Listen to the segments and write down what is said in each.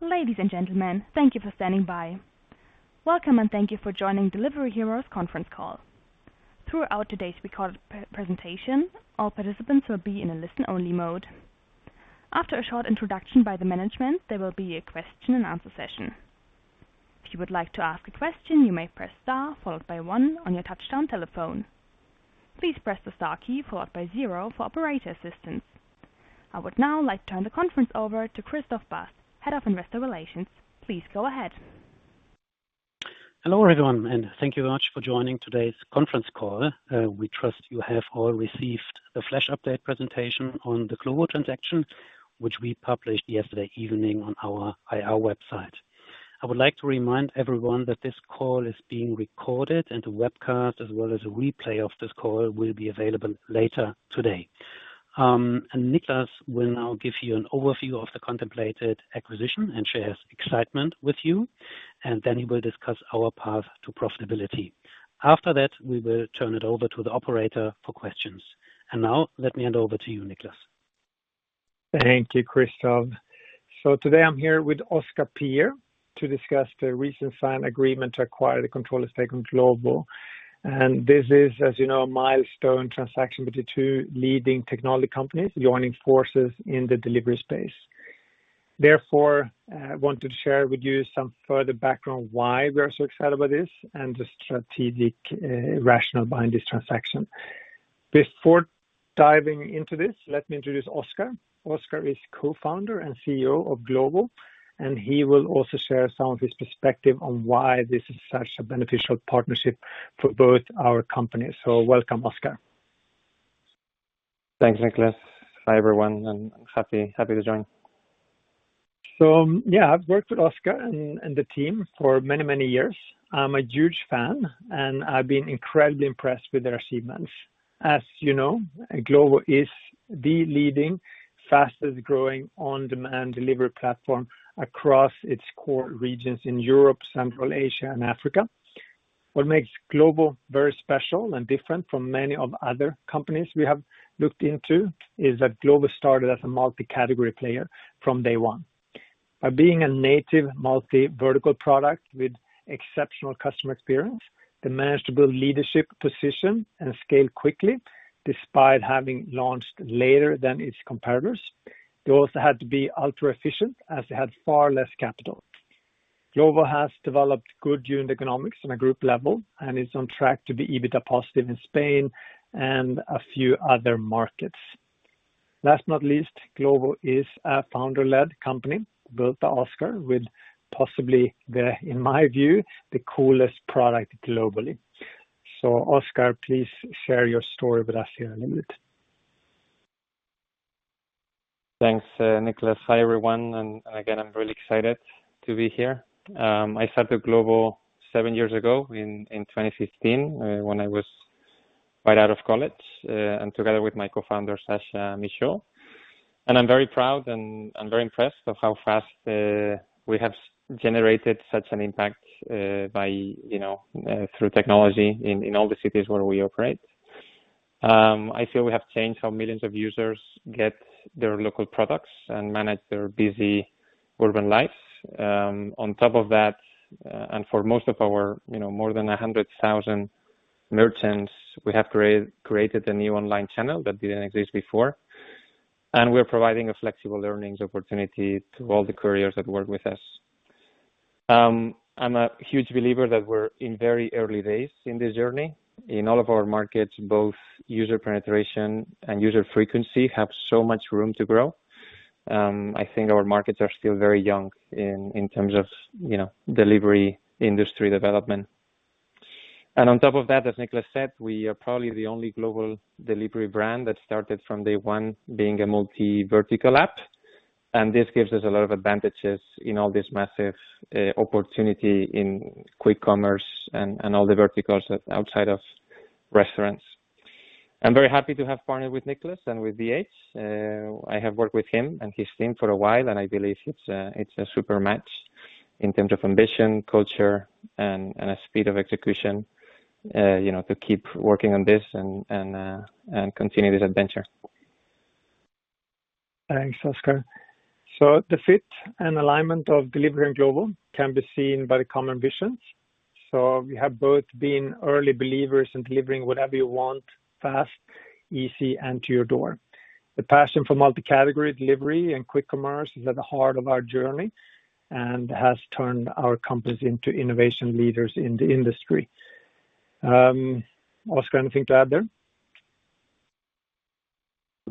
Ladies and gentlemen, thank you for standing by. Welcome, and thank you for joining Delivery Hero's Conference Call. Throughout today's recorded pre-presentation, all participants will be in a listen-only mode. After a short introduction by the management, there will be a question-and-answer session. If you would like to ask a question, you may press star followed by one on your touch-tone telephone. Please press the star key followed by zero for operator assistance. I would now like to turn the conference over to Christoph Bast, Head of Investor Relations. Please go ahead. Hello, everyone, and thank you much for joining today's conference call. We trust you have all received the flash update presentation on the Glovo transaction, which we published yesterday evening on our IR website. I would like to remind everyone that this call is being recorded, and the webcast, as well as a replay of this call, will be available later today. Niklas will now give you an overview of the contemplated acquisition and share his excitement with you, and then he will discuss our path to profitability. After that, we will turn it over to the operator for questions. Now let me hand over to you, Niklas. Thank you, Christoph. Today I'm here with Óscar Pierre to discuss the recent signed agreement to acquire the controlling stake in Glovo. This is, as you know, a milestone transaction between two leading technology companies joining forces in the delivery space. Therefore, I want to share with you some further background why we are so excited about this and the strategic rationale behind this transaction. Before diving into this, let me introduce Óscar. Óscar is Co-Founder and CEO of Glovo, and he will also share some of his perspective on why this is such a beneficial partnership for both our companies. Welcome, Óscar. Thanks, Niklas. Hi, everyone, and happy to join. Yeah, I've worked with Óscar and the team for many, many years. I'm a huge fan, and I've been incredibly impressed with their achievements. As you know, Glovo is the leading, fastest-growing on-demand delivery platform across its core regions in Europe, Central Asia, and Africa. What makes Glovo very special and different from many of other companies we have looked into is that Glovo started as a multi-category player from day one. By being a native multi-vertical product with exceptional customer experience, they managed to build leadership position and scale quickly despite having launched later than its competitors. They also had to be ultra-efficient as they had far less capital. Glovo has developed good unit economics on a group level and is on track to be EBITDA positive in Spain and a few other markets. Last but not least, Glovo is a founder-led company built by Óscar with possibly, in my view, the coolest product globally. Óscar, please share your story with us here in a minute. Thanks, Niklas. Hi, everyone. Again, I'm really excited to be here. I started Glovo seven years ago in 2015, when I was right out of college, and together with my co-founder, Sacha Michaud. I'm very proud and I'm very impressed of how fast we have generated such an impact by, you know, through technology in all the cities where we operate. I feel we have changed how millions of users get their local products and manage their busy urban life. On top of that, and for most of our, you know, more than 100,000 merchants, we have created a new online channel that didn't exist before, and we're providing a flexible earnings opportunity to all the couriers that work with us. I'm a huge believer that we're in very early days in this journey. In all of our markets, both user penetration and user frequency have so much room to grow. I think our markets are still very young in terms of, you know, delivery industry development. On top of that, as Niklas said, we are probably the only global delivery brand that started from day one being a multi-vertical app, and this gives us a lot of advantages in all this massive opportunity in quick commerce and all the verticals outside of restaurants. I'm very happy to have partnered with Niklas and with DH. I have worked with him and his team for a while, and I believe it's a super match in terms of ambition, culture, and a speed of execution, you know, to keep working on this and continue this adventure. Thanks, Óscar. The fit and alignment of Delivery Hero and Glovo can be seen by the common visions. We have both been early believers in delivering whatever you want fast, easy, and to your door. The passion for multi-category delivery and quick commerce is at the heart of our journey and has turned our companies into innovation leaders in the industry. Óscar, anything to add there?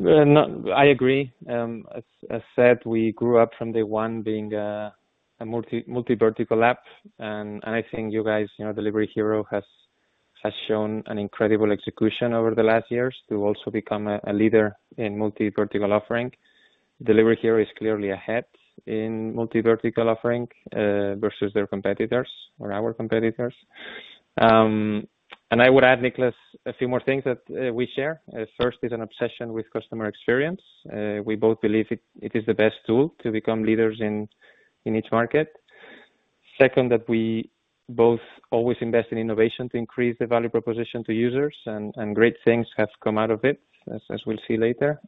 Well, no, I agree. As said, we grew up from day one being a multi-vertical app. I think you guys, you know, Delivery Hero has shown an incredible execution over the last years to also become a leader in multi-vertical offering. Delivery Hero is clearly ahead in multi-vertical offering versus their competitors or our competitors. I would add, Niklas, a few more things that we share. First is an obsession with customer experience. We both believe it is the best tool to become leaders in each market. Second, that we both always invest in innovation to increase the value proposition to users and great things have come out of it as we'll see later.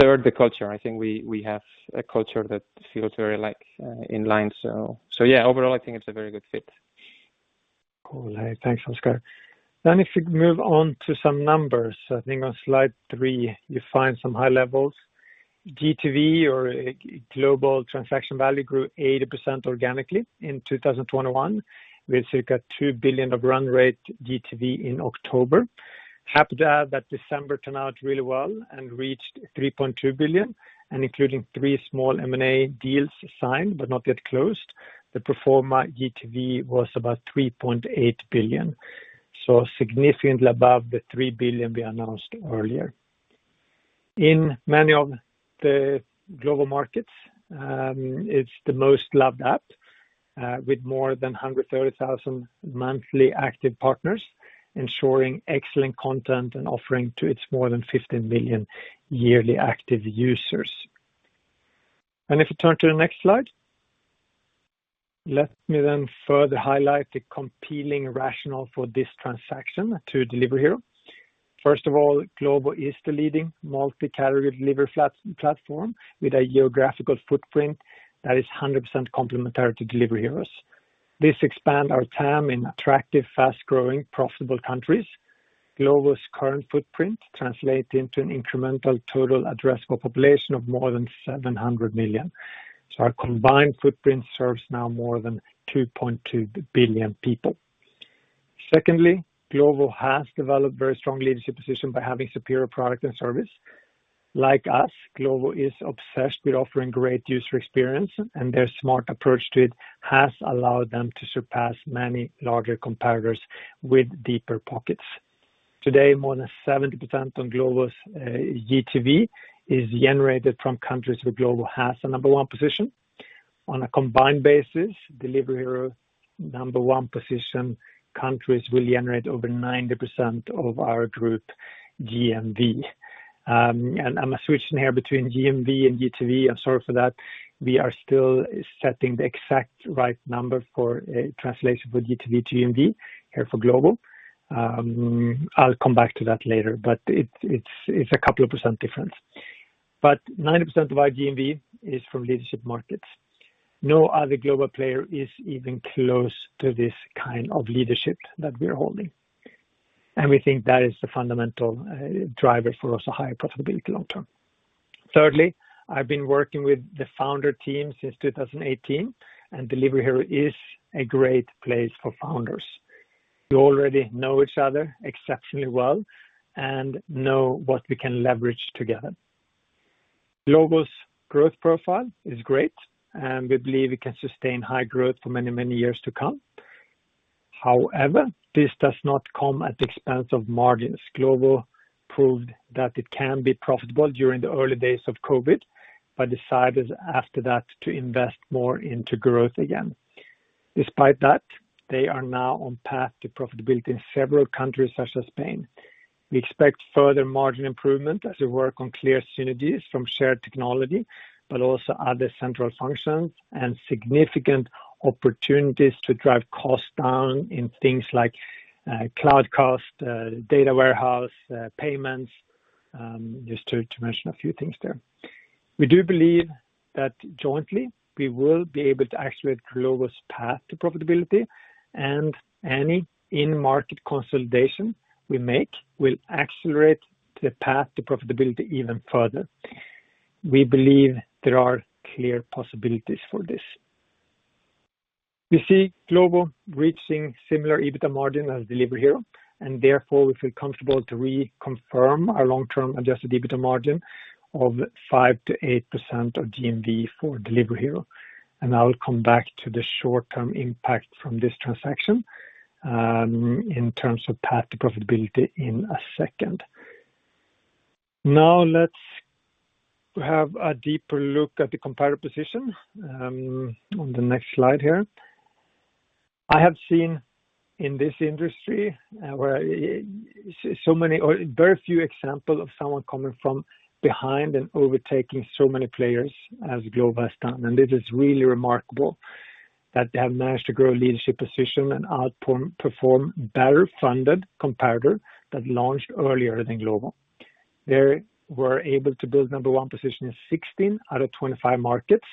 Third, the culture. I think we have a culture that feels very like in line. Yeah, overall, I think it's a very good fit. Cool. Thanks, Óscar. If we move on to some numbers, I think on slide three, you find some high levels. GTV or Global Transaction Value grew 80% organically in 2021, with circa 2 billion of run rate GTV in October. After that December turned out really well and reached 3.2 billion and including three small M&A deals signed but not yet closed. The pro forma GTV was about 3.8 billion, so significantly above the 3 billion we announced earlier. In many of the global markets, it's the most loved app, with more than 130,000 monthly active partners ensuring excellent content and offering to its more than 15 million yearly active users. If you turn to the next slide. Let me then further highlight the compelling rationale for this transaction to Delivery Hero. First of all, Glovo is the leading multi-category delivery platform with a geographical footprint that is 100% complementary to Delivery Hero's. This expands our TAM in attractive, fast-growing, profitable countries. Glovo's current footprint translate into an incremental total addressable population of more than 700 million. Our combined footprint serves now more than 2.2 billion people. Secondly, Glovo has developed very strong leadership position by having superior product and service. Like us, Glovo is obsessed with offering great user experience, and their smart approach to it has allowed them to surpass many larger competitors with deeper pockets. Today, more than 70% of Glovo's GTV is generated from countries where Glovo has a number one position. On a combined basis, Delivery Hero number one position countries will generate over 90% of our group GMV. I'm switching here between GMV and GTV. I'm sorry for that. We are still setting the exact right number for a translation for GTV, GMV here for Glovo. I'll come back to that later, but it's a couple of % difference. 90% of our GMV is from leadership markets. No other Glovo player is even close to this kind of leadership that we're holding. We think that is the fundamental driver for also high profitability long term. Thirdly, I've been working with the founder team since 2018, and Delivery Hero is a great place for founders. We already know each other exceptionally well and know what we can leverage together. Glovo's growth profile is great, and we believe it can sustain high growth for many, many years to come. However, this does not come at the expense of margins. Glovo proved that it can be profitable during the early days of COVID but decided after that to invest more into growth again. Despite that, they are now on path to profitability in several countries such as Spain. We expect further margin improvement as we work on clear synergies from shared technology, but also other central functions and significant opportunities to drive costs down in things like cloud cost, data warehouse, payments, just to mention a few things there. We do believe that jointly, we will be able to activate Glovo's path to profitability, and any in-market consolidation we make will accelerate the path to profitability even further. We believe there are clear possibilities for this. We see Glovo reaching similar EBITDA margin as Delivery Hero, and therefore we feel comfortable to reconfirm our long-term adjusted EBITDA margin of 5%-8% of GMV for Delivery Hero. I'll come back to the short-term impact from this transaction in terms of path to profitability in a second. Now, let's have a deeper look at the competitor position on the next slide here. I have seen in this industry where so many or very few examples of someone coming from behind and overtaking so many players as Glovo has done. It is really remarkable that they have managed to grow leadership position and outperform better-funded competitor that launched earlier than Glovo. They were able to build number one position in 16 out of 25 markets,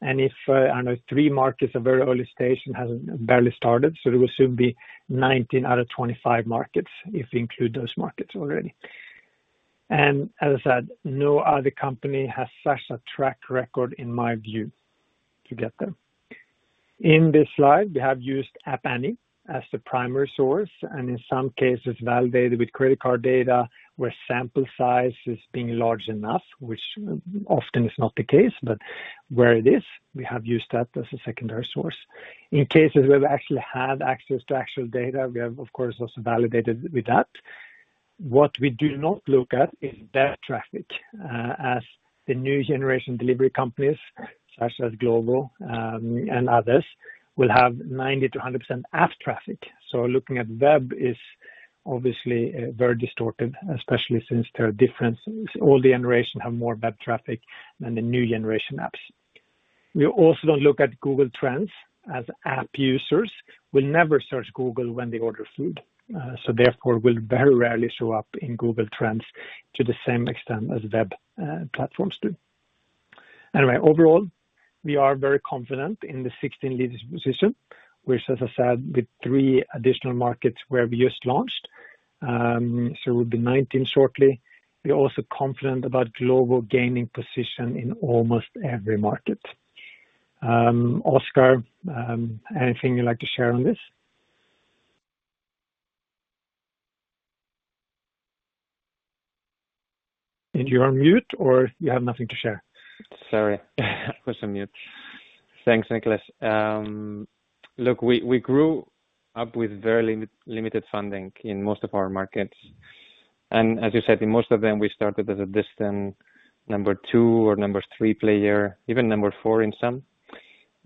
and if, I know three markets are very early stage and has barely started. It will soon be 19 out of 25 markets if you include those markets already. As I said, no other company has such a track record, in my view, to get there. In this slide, we have used App Annie as the primary source, and in some cases, validated with credit card data where sample size is large enough, which often is not the case. Where it is, we have used that as a secondary source. In cases we've actually had access to actual data, we have, of course, also validated with that. What we do not look at is their traffic, as the new generation delivery companies such as Glovo and others will have 90%-100% app traffic. Looking at web is obviously very distorted, especially since there are differences. Old generation have more web traffic than the new generation apps. We also don't look at Google Trends as app users will never search Google when they order food, so therefore, will very rarely show up in Google Trends to the same extent as web platforms do. Anyway, overall, we are very confident in the 16 leading positions, which as I said, with three additional markets where we just launched. So, we'll be 19 shortly. We're also confident about Glovo gaining position in almost every market. Óscar, anything you'd like to share on this. You're on mute or you have nothing to share. Sorry. I was on mute. Thanks, Niklas. Look, we grew up with very limited funding in most of our markets. As you said, in most of them, we started as a distant number two or number three player, even number four in some.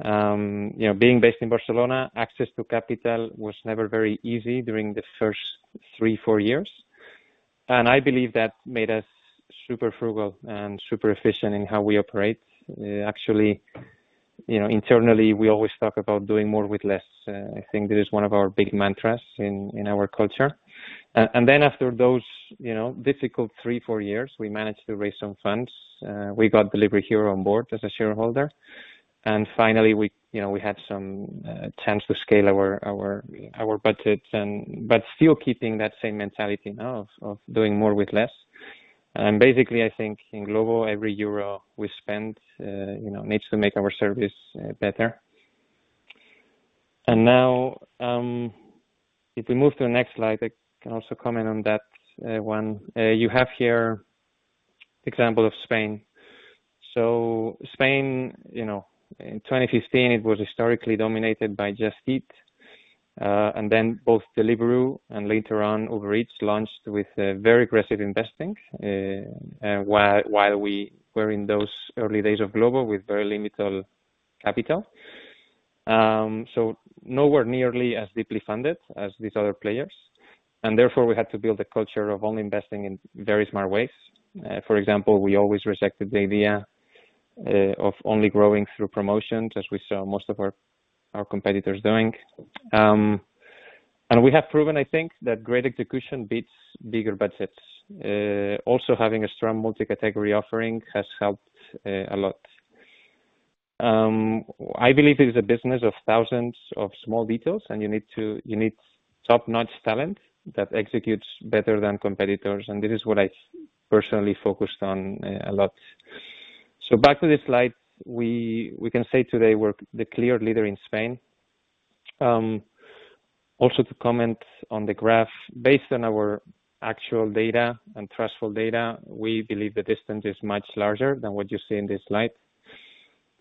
You know, being based in Barcelona, access to capital was never very easy during the first three-four years. I believe that made us super frugal and super-efficient in how we operate. Actually, you know, internally, we always talk about doing more with less. I think this is one of our big mantras in our culture. After those, you know, difficult three-four years, we managed to raise some funds. We got Delivery Hero on board as a shareholder. Finally, you know, we had some chance to scale our budgets but still keeping that same mentality now of doing more with less. Basically, I think in Glovo, every euro we spend, you know, needs to make our service better. Now, if we move to the next slide, I can also comment on that one. You have here example of Spain. Spain, you know, in 2015, it was historically dominated by Just Eat, and then both Deliveroo and later on, Uber Eats launched with a very aggressive investing, while we were in those early days of Glovo with very limited capital. Nowhere nearly as deeply funded as these other players. Therefore, we had to build a culture of only investing in very smart ways. For example, we always rejected the idea of only growing through promotions as we saw most of our competitors doing. We have proven, I think, that great execution beats bigger budgets. Also, having a strong multi-category offering has helped a lot. I believe it is a business of thousands of small details, and you need top-notch talent that executes better than competitors. This is what I personally focused on a lot. Back to this slide, we can say today we're the clear leader in Spain. Also to comment on the graph, based on our actual data and trusted data, we believe the distance is much larger than what you see in this slide.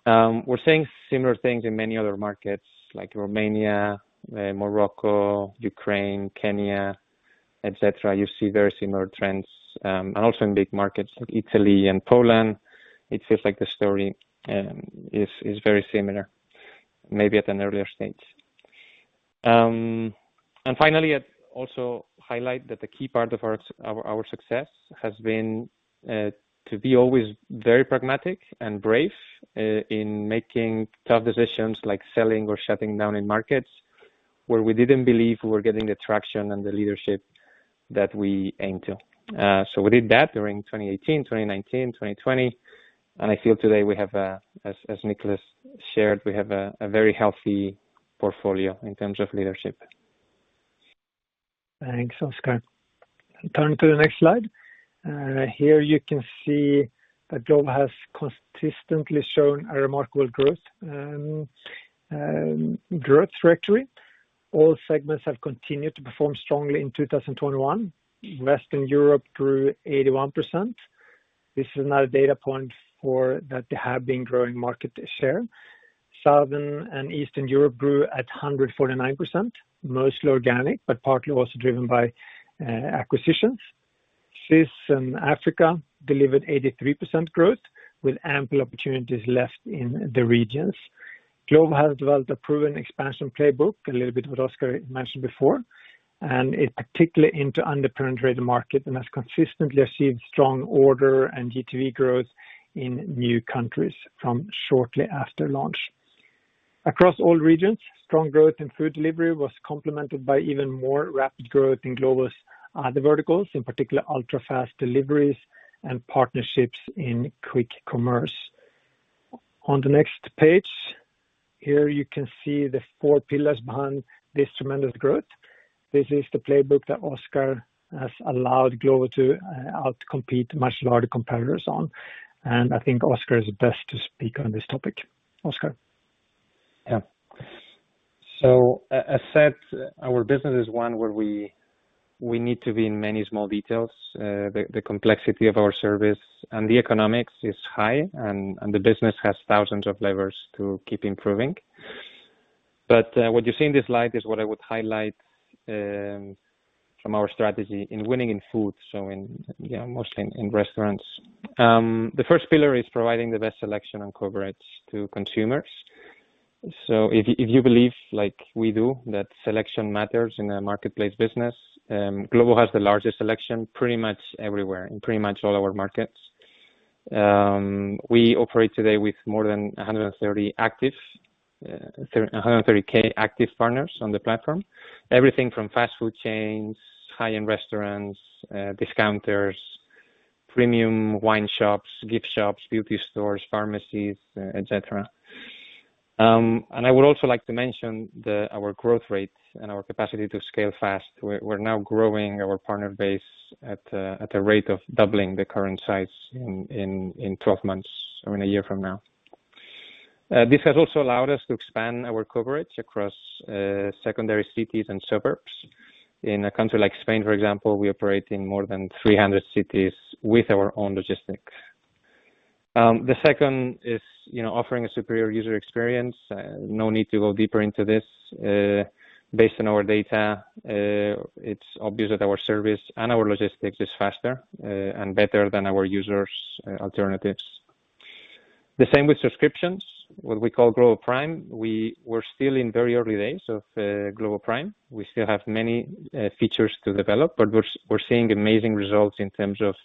We're seeing similar things in many other markets like Romania, Morocco, Ukraine, Kenya, etc. You see very similar trends, and also in big markets like Italy and Poland. It feels like the story is very similar, maybe at an earlier stage. Finally, I'd also highlight that the key part of our success has been to be always very pragmatic and brave in making tough decisions like selling or shutting down in markets where we didn't believe we were getting the traction and the leadership that we aim to. We did that during 2018, 2019, 2020. I feel today, as Niklas shared, we have a very healthy portfolio in terms of leadership. Thanks, Óscar. Turn to the next slide. Here you can see that Glovo has consistently shown a remarkable growth trajectory. All segments have continued to perform strongly in 2021. Western Europe grew 81%. This is another data point for that they have been growing market share. Southern and Eastern Europe grew at 149%, mostly organic, but partly also driven by acquisitions. CIS and Africa delivered 83% growth with ample opportunities left in the regions. Glovo has developed a proven expansion playbook, a little bit what Óscar mentioned before, and is particularly into underpenetrated market and has consistently achieved strong order and GTV growth in new countries from shortly after launch. Across all regions, strong growth in food delivery was complemented by even more rapid growth in Glovo's other verticals, in particular ultra-fast deliveries and partnerships in quick commerce. On the next page, here you can see the four pillars behind this tremendous growth. This is the playbook that Óscar has allowed Glovo to outcompete much larger competitors on. I think Óscar is best to speak on this topic. Óscar? As said, our business is one where we need to be in many small details. The complexity of our service and the economics is high, and the business has thousands of levers to keep improving. What you see in this slide is what I would highlight from our strategy in winning in food, mostly in restaurants. The first pillar is providing the best selection and coverage to consumers. If you believe like we do that selection matters in a marketplace business, Glovo has the largest selection pretty much everywhere, in pretty much all our markets. We operate today with more than 130k active partners on the platform. Everything from fast food chains, high-end restaurants, discounters, premium wine shops, gift shops, beauty stores, pharmacies, et cetera. I would also like to mention our growth rate and our capacity to scale fast. We're now growing our partner base at a rate of doubling the current size in 12 months or in a year from now. This has also allowed us to expand our coverage across secondary cities and suburbs. In a country like Spain, for example, we operate in more than 300 cities with our own logistics. The second is, you know, offering a superior user experience. No need to go deeper into this. Based on our data, it's obvious that our service and our logistics is faster and better than our users' alternatives. The same with subscriptions, what we call Glovo Prime. We're still in very early days of Glovo Prime. We still have many features to develop, but we're seeing amazing results in terms of,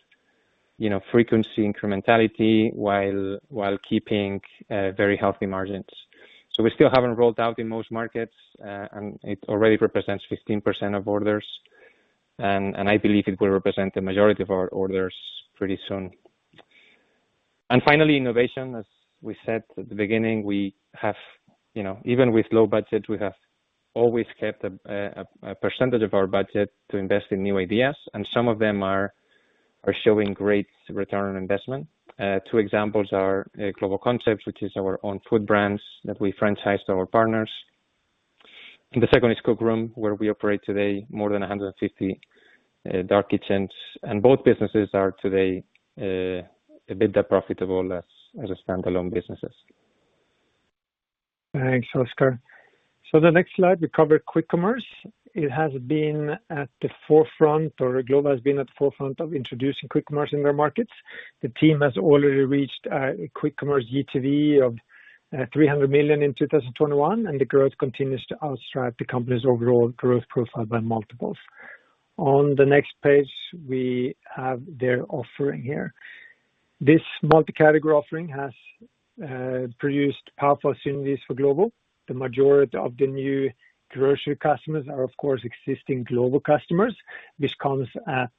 you know, frequency incrementality while keeping very healthy margins. We still haven't rolled out in most markets, and it already represents 15% of orders and I believe it will represent the majority of our orders pretty soon. Finally, innovation. As we said at the beginning, we have, you know, even with low budget, we have always kept a percentage of our budget to invest in new ideas, and some of them are showing great return on investment. Two examples are Glovo Concepts, which is our own food brands that we franchise to our partners. The second is Cook Room, where we operate today more than 150 dark kitchens. Both businesses are today a bit profitable as standalone businesses. Thanks, Óscar. The next slide, we cover quick commerce. It has been at the forefront, or Glovo has been at the forefront of introducing quick commerce in their markets. The team has already reached quick commerce GTV of 300 million in 2021, and the growth continues to outstrip the company's overall growth profile by multiples. On the next page, we have their offering here. This multi-category offering has produced powerful synergies for Glovo. The majority of the new grocery customers are of course existing Glovo customers, which comes at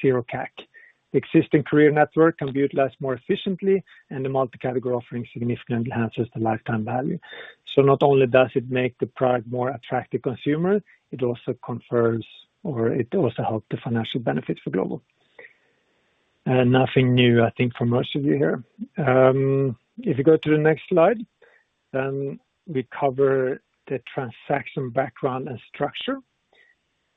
zero CAC. Existing courier network can be utilized more efficiently, and the multi-category offering significantly enhances the lifetime value. Not only does it make the product more attractive to consumers, it also confers or helps the financial benefits for Glovo. Nothing new, I think, for most of you here. If you go to the next slide, then we cover the transaction background and structure.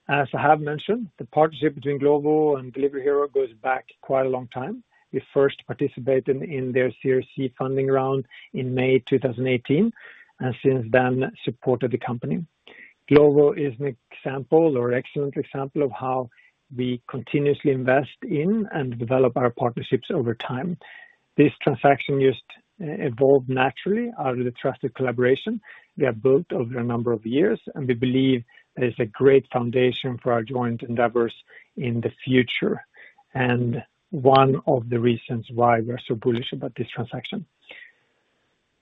As I have mentioned, the partnership between Glovo and Delivery Hero goes back quite a long time. We first participated in their Series C funding round in May 2018, and since then supported the company. Glovo is an excellent example of how we continuously invest in and develop our partnerships over time. This transaction just evolved naturally out of the trusted collaboration we have built over a number of years, and we believe it is a great foundation for our joint endeavors in the future, and one of the reasons why we're so bullish about this transaction.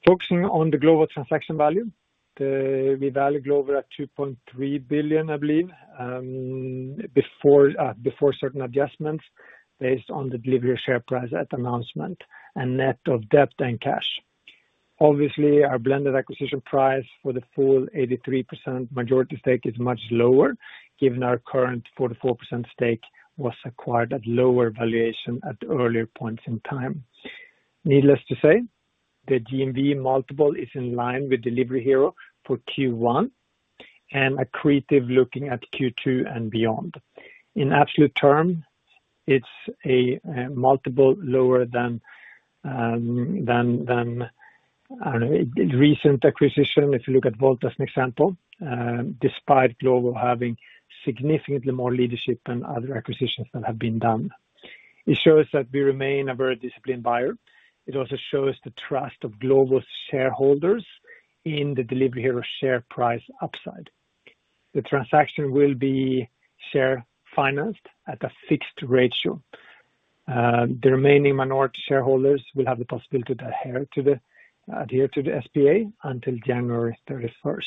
Focusing on the Glovo transaction value, we value Glovo at 2.3 billion, I believe, before certain adjustments based on the Delivery Hero share price at announcement and net of debt and cash. Obviously, our blended acquisition price for the full 83% majority stake is much lower, given our current 44% stake was acquired at lower valuation at earlier points in time. Needless to say, the GMV multiple is in line with Delivery Hero for Q1 and accretive looking at Q2 and beyond. In absolute terms, it's a multiple lower than recent acquisitions, if you look at Woowa as an example, despite Glovo having significantly more leadership than other acquisitions that have been done. It shows that we remain a very disciplined buyer. It also shows the trust of Glovo's shareholders in the Delivery Hero share price upside. The transaction will be share financed at a fixed ratio. The remaining minority shareholders will have the possibility to adhere to the SPA until January 31.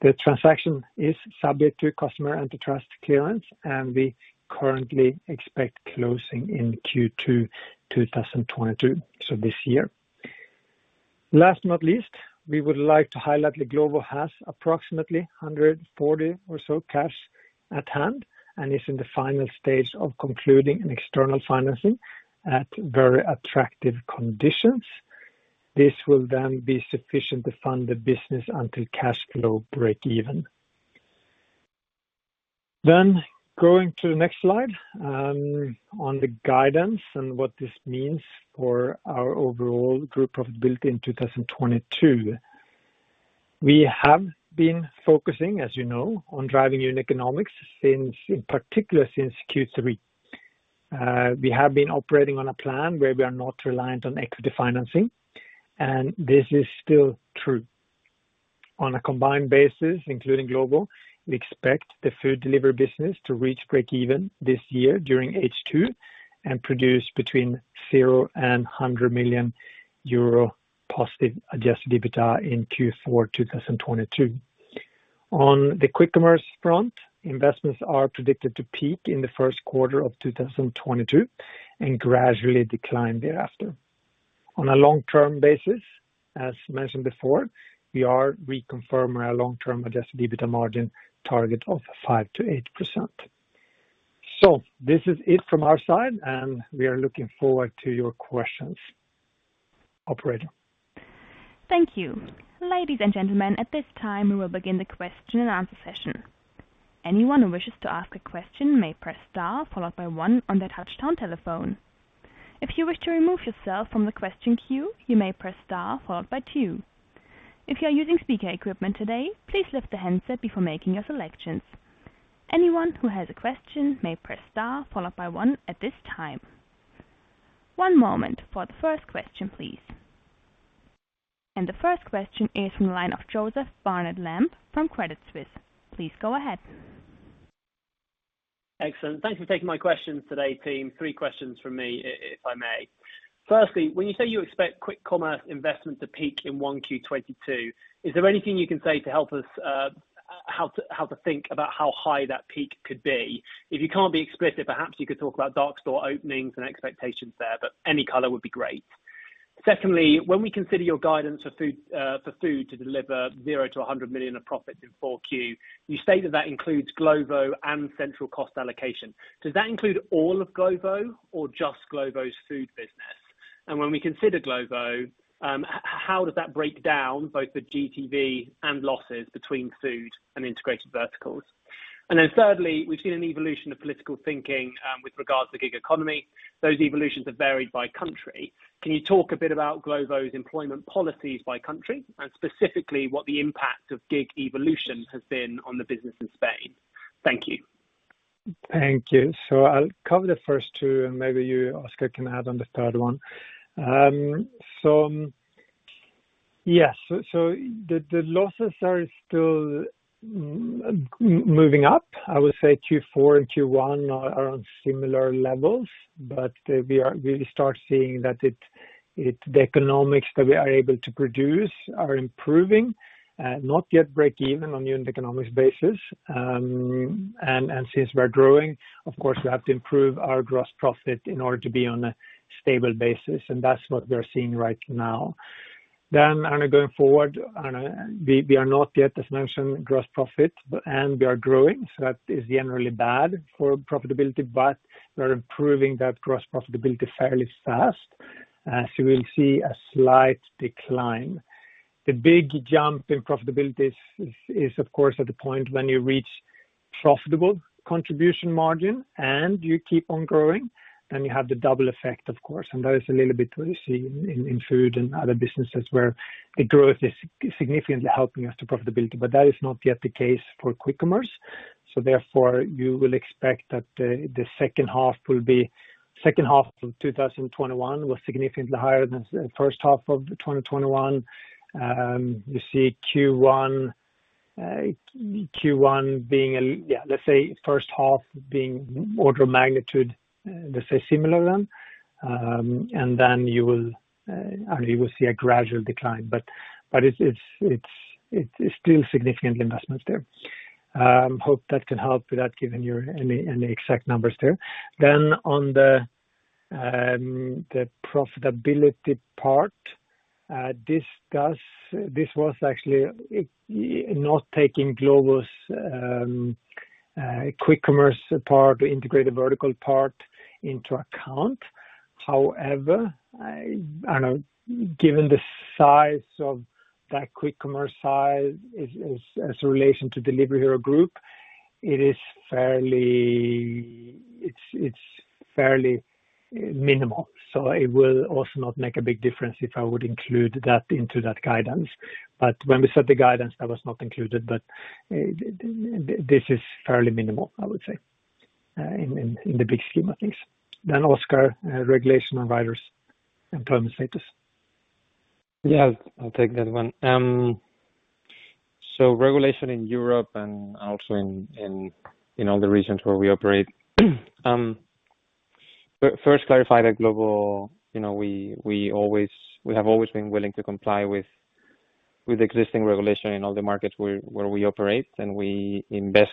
The transaction is subject to customary antitrust clearance, and we currently expect closing in Q2 2022, so this year. Last but not least, we would like to highlight that Glovo has approximately 140 or so cash at hand and is in the final stage of concluding an external financing at very attractive conditions. This will then be sufficient to fund the business until cash flow break even. Going to the next slide, on the guidance and what this means for our overall group profitability in 2022. We have been focusing, as you know, on driving unit economics since, in particular, since Q3. We have been operating on a plan where we are not reliant on equity financing, and this is still true. On a combined basis, including Glovo, we expect the food delivery business to reach breakeven this year during H2 and produce between 0 and 100 million euro positive adjusted EBITDA in Q4 2022. On the quick commerce front, investments are predicted to peak in the Q1 of 2022 and gradually decline thereafter. On a long-term basis, as mentioned before, we are reconfirming our long-term adjusted EBITDA margin target of 5%-8%. This is it from our side, and we are looking forward to your questions. Operator. Thank you. Ladies and gentlemen, at this time, we will begin the question-and-answer session. Anyone who wishes to ask a question may press star followed by one on their touchtone telephone. If you wish to remove yourself from the question queue, you may press star followed by two. If you are using speaker equipment today, please lift the handset before making your selections. Anyone who has a question may press star followed by one at this time. One moment for the first question, please. The first question is from the line of Joseph Barnet-Lamb from Credit Suisse. Please go ahead. Excellent. Thank you for taking my questions today, team. Three questions from me if I may. Firstly, when you say you expect quick commerce investment to peak in 1Q 2022, is there anything you can say to help us how to think about how high that peak could be? If you can't be explicit, perhaps you could talk about dark store openings and expectations there, but any color would be great. Secondly, when we consider your guidance for food to deliver 0-100 million of profits in 4Q, you say that includes Glovo and central cost allocation. Does that include all of Glovo or just Glovo's food business? And when we consider Glovo, how does that break down both for GTV and losses between food and integrated verticals? Thirdly, we've seen an evolution of political thinking with regards to gig economy. Those evolutions have varied by country. Can you talk a bit about Glovo's employment policies by country and specifically what the impact of gig evolution has been on the business in Spain? Thank you. Thank you. I'll cover the first two, and maybe you, Óscar, can add on the third one. Yes. The losses are still moving up. I would say Q4 and Q1 are on similar levels, but we start seeing that it. The economics that we are able to produce are improving, not yet breakeven on unit economics basis. And since we're growing, of course, we have to improve our gross profit in order to be on a stable basis, and that's what we're seeing right now. And going forward, we are not yet as mentioned, gross profit, but we are growing, so that is generally bad for profitability, but we are improving that gross profitability fairly fast. As you will see a slight decline. The big jump in profitability is of course at the point when you reach profitable contribution margin and you keep on growing, then you have the double effect of course. That is a little bit what you see in food and other businesses where the growth is significantly helping us to profitability. That is not yet the case for quick commerce. Therefore, you will expect that the H2 will be H2 of 2021 was significantly higher than the H1 of 2021. You see Q1 being, let's say H1 being order of magnitude, let's say similar then. And then you will see a gradual decline. It's still significant investments there. Hope that can help without giving you any exact numbers there. On the profitability part, this was actually not taking Glovo's quick commerce part or integrated verticals into account. However, given the size of that quick commerce as a relation to Delivery Hero Group, it is fairly minimal. So, it will also not make a big difference if I would include that into that guidance. When we set the guidance, that was not included. This is fairly minimal, I would say, in the big scheme of things. Óscar, regulation on riders' employment status. Yeah, I'll take that one. Regulation in Europe and also in all the regions where we operate. First clarify that Glovo, you know, we have always been willing to comply with existing regulation in all the markets where we operate, and we invest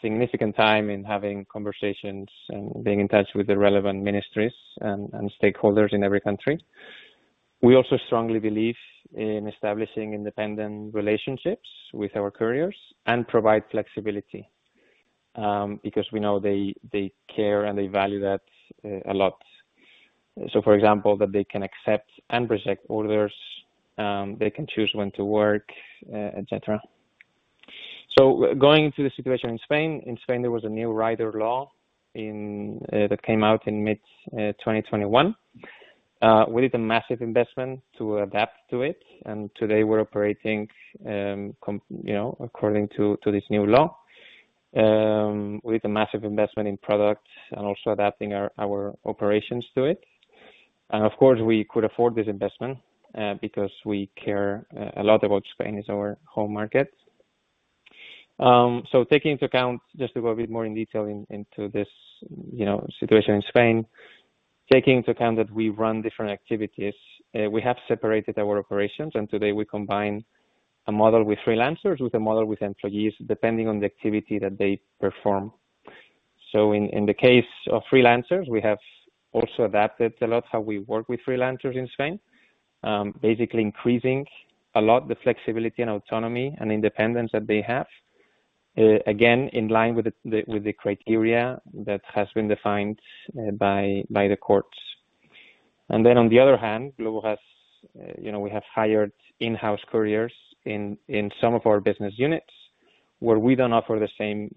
significant time in having conversations and being in touch with the relevant ministries and stakeholders in every country. We also strongly believe in establishing independent relationships with our couriers and provide flexibility, because we know they care, and they value that a lot. For example, that they can accept and reject orders, they can choose when to work, etc. Going into the situation in Spain, there was a new Rider Law that came out in mid-2021. We did a massive investment to adapt to it, and today we're operating, you know, according to this new law, with a massive investment in products and also adapting our operations to it. Of course, we could afford this investment because we care a lot about Spain. It's our home market. Taking into account just to go a bit more in detail into this, you know, situation in Spain, taking into account that we run different activities, we have separated our operations, and today we combine a model with freelancers, with a model with employees, depending on the activity that they perform. In the case of freelancers, we have also adapted a lot how we work with freelancers in Spain. Basically increasing a lot the flexibility and autonomy and independence that they have. Again, in line with the criteria that has been defined by the courts. On the other hand, Glovo has you know we have hired in-house couriers in some of our business units where we don't offer the same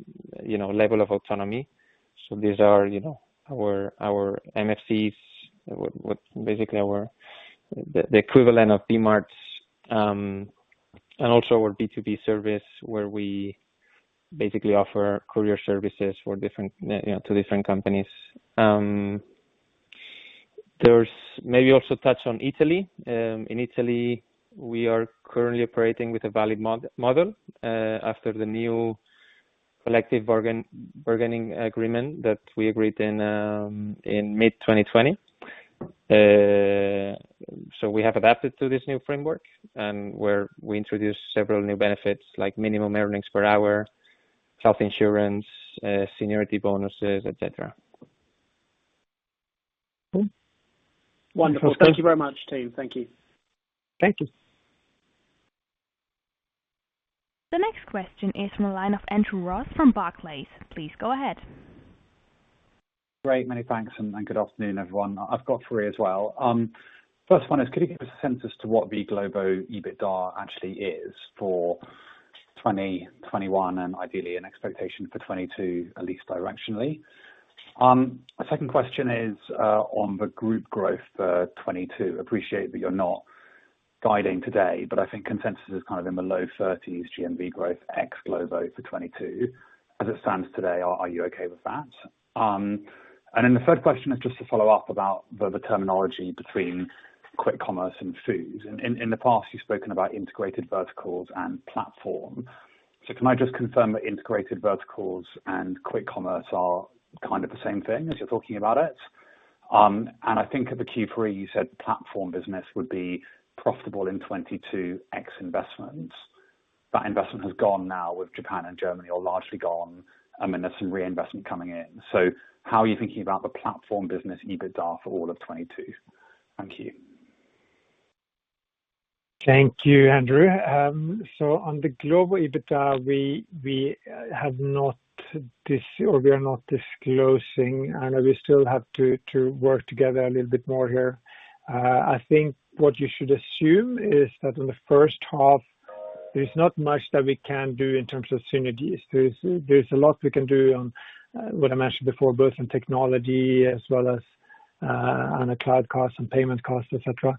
you know level of autonomy. These are you know our MFCs, which basically are the equivalent of DMarts and also our B2B service, where we basically offer courier services for different you know to different companies. There's maybe also to touch on Italy. In Italy, we are currently operating with a valid model after the new collective bargaining agreement that we agreed in mid-2020. We have adapted to this new framework and where we introduced several new benefits like minimum earnings per hour, health insurance, seniority bonuses, et cetera. Wonderful. Thank you. Thank you very much, team. Thank you. Thank you. The next question is from the line of Andrew Ross from Barclays. Please go ahead. Great, many thanks, and good afternoon, everyone. I've got three as well. First one is, could you give a consensus to what the Glovo EBITDA actually is for 2021 and ideally an expectation for 2022, at least directionally? A second question is on the group growth for 2022. Appreciate that you're not guiding today, but I think consensus is kind of in the low 30s% GMV growth ex Glovo for 2022. As it stands today, are you okay with that? And then the third question is just to follow up about the terminology between quick commerce and food. In the past, you've spoken about integrated verticals and platform. So, can I just confirm that integrated verticals and quick commerce are kind of the same thing as you're talking about? I think at the Q3 you said platform business would be profitable in 2022 ex investments. That investment has gone now with Japan and Germany or largely gone. I mean, there's some reinvestment coming in. How are you thinking about the platform business EBITDA for all of 2022? Thank you. Thank you, Andrew. So, on the Glovo EBITDA, we are not disclosing, and we still have to work together a little bit more here. I think what you should assume is that in the H1, there's not much that we can do in terms of synergies. There's a lot we can do on what I mentioned before, both on technology as well as on the cloud costs and payment costs, et cetera.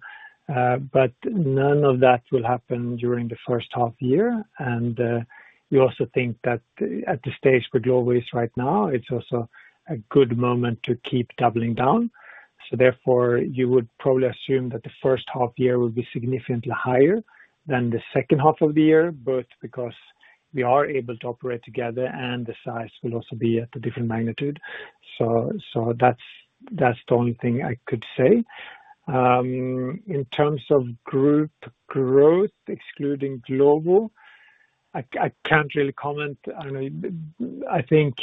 But none of that will happen during the H1 year. We also think that at the stage where Glovo is right now, it's also a good moment to keep doubling down. Therefore, you would probably assume that the H1 year will be significantly higher than the H2 of the year, both because we are able to operate together and the size will also be at a different magnitude. That's the only thing I could say. In terms of group growth excluding Glovo, I can't really comment. I don't know. I think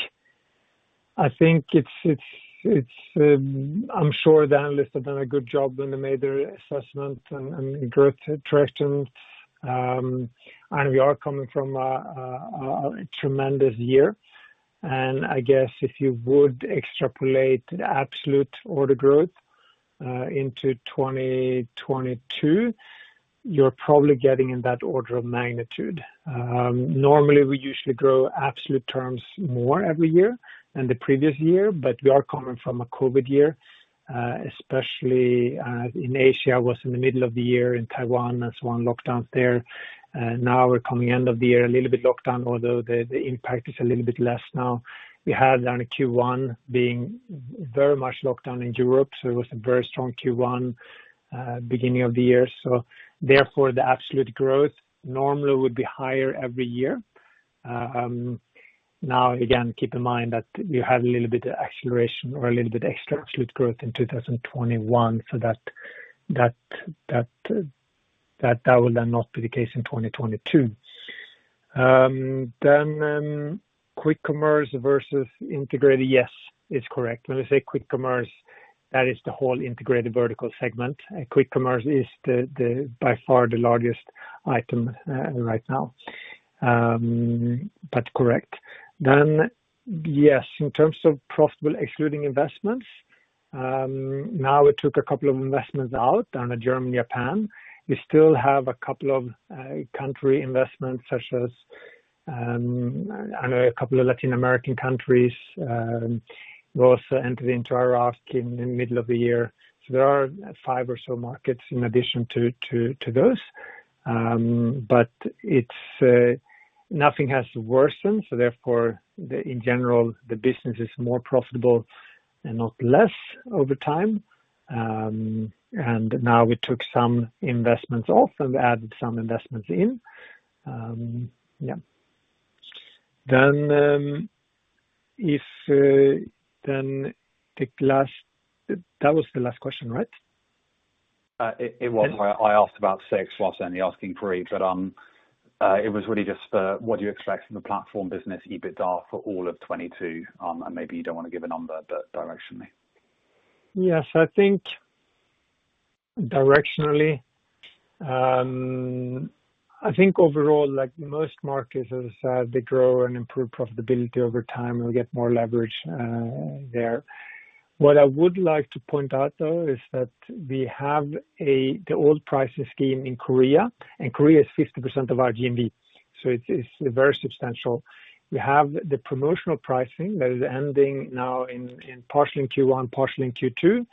it's. I'm sure the analysts have done a good job when they made their assessment and growth projections. We are coming from a tremendous year. I guess if you would extrapolate absolute order growth into 2022, you're probably getting in that order of magnitude. Normally, we usually grow absolute terms more every year than the previous year, but we are coming from a COVID year, especially, in Asia was in the middle of the year, in Taiwan and so on, lockdowns there. Now we're coming end of the year, a little bit lockdown, although the impact is a little bit less now. We had then Q1 being very much lockdown in Europe, so it was a very strong Q1, beginning of the year. Therefore, the absolute growth normally would be higher every year. Now again, keep in mind that you have a little bit of acceleration or a little bit extra absolute growth in 2021 for that will then not be the case in 2022. Quick commerce versus integrated, yes, it's correct. When we say quick commerce, that is the whole integrated verticals. Quick commerce is by far the largest item right now. But correct. Yes, in terms of profitability excluding investments, now we took a couple of investments out in Germany, Japan. We still have a couple of country investments such as in a couple of Latin American countries, will also enter quick commerce in the middle of the year. There are five or so markets in addition to those. Nothing has worsened, so therefore, in general, the business is more profitable and not less over time. Now we took some investments off and added some investments in. Yeah. That was the last question, right? It was. Yeah. I asked about six, so I was only asking three. It was really just for what do you expect from the platform business EBITDA for all of 2022, and maybe you don't want to give a number, but directionally. Yes. I think directionally, I think overall like most markets, as they grow and improve profitability over time, we'll get more leverage there. What I would like to point out, though, is that we have the old pricing scheme in Korea, and Korea is 50% of our GMV, so it's very substantial. We have the promotional pricing that is ending now partially in Q1, partially in Q2,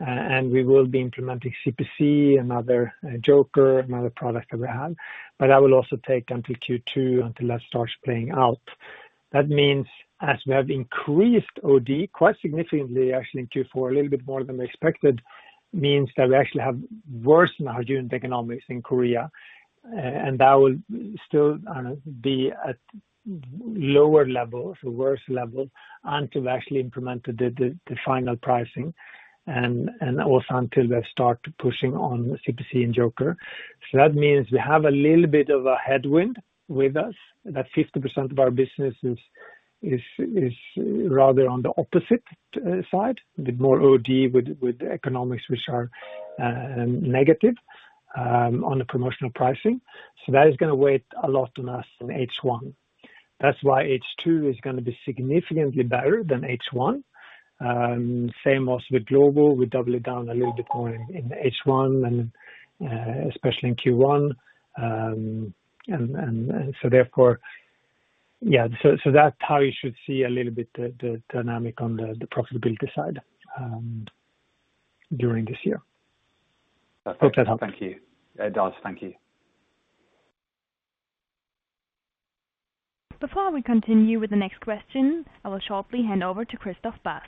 and we will be implementing CPC, another jokr, another product that we have. But that will also take until Q2 that starts playing out. That means as we have increased OD quite significantly, actually in Q4 a little bit more than we expected, that we actually have worsened our unit economics in Korea. That will still, I don't know, be at lower levels or worse levels until we actually implement the final pricing and also until we start pushing on CPC and jokr. That means we have a little bit of a headwind with us that 50% of our business is rather on the opposite side, with more OD with economics which are negative on the promotional pricing. That is gonna weigh a lot on us in H1. That's why H2 is gonna be significantly better than H1. Same also with Glovo. We double it down a little bit more in H1 and especially in Q1. And so therefore, that's how you should see a little bit the dynamic on the profitability side during this year. Hope that helps. Thank you. It does. Thank you. Before we continue with the next question, I will shortly hand over to Christoph Bast.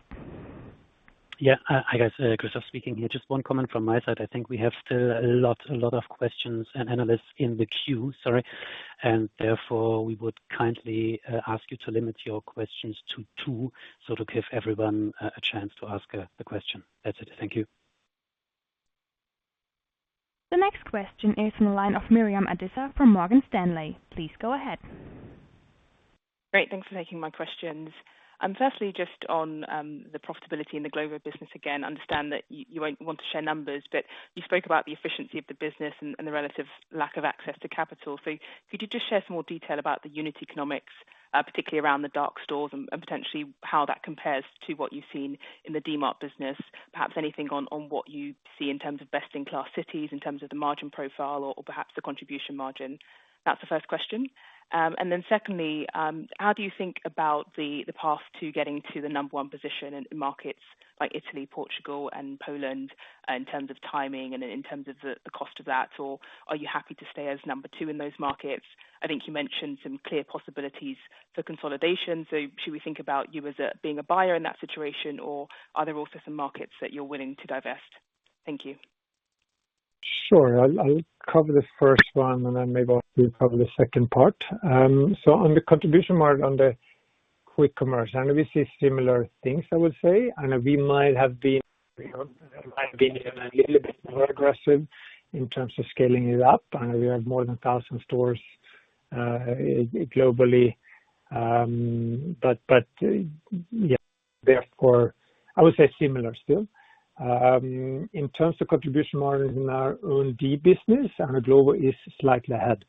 Yeah. I guess, Christoph speaking here. Just one comment from my side. I think we have still a lot of questions and analysts in the queue. Sorry. Therefore, we would kindly ask you to limit your questions to two, so to give everyone a chance to ask a question. That's it. Thank you. The next question is from the line of Miriam Josiah from Morgan Stanley. Please go ahead. Great. Thanks for taking my questions. Firstly, just on the profitability in the Glovo business, again, understand that you won't want to share numbers, but you spoke about the efficiency of the business and the relative lack of access to capital. Could you just share some more detail about the unit economics, particularly around the dark stores and potentially how that compares to what you've seen in the Dmarts business? Perhaps anything on what you see in terms of best-in-class cities, in terms of the margin profile or perhaps the contribution margin? That's the first question. Secondly, how do you think about the path to getting to the number one position in markets like Italy, Portugal, and Poland in terms of timing and in terms of the cost of that? Are you happy to stay as number two in those markets? I think you mentioned some clear possibilities for consolidation. Should we think about you as a, being a buyer in that situation, or are there also some markets that you're willing to divest? Thank you. Sure. I'll cover the first one, and then maybe Óscar will cover the second part. On the contribution margin on the quick commerce, and we see similar things, I would say. I know we might have been, you know, a little bit more aggressive in terms of scaling it up. I know we have more than 1,000 stores globally. But yeah, therefore I would say similar still. In terms of contribution margin in our own D business, I know Glovo is slightly ahead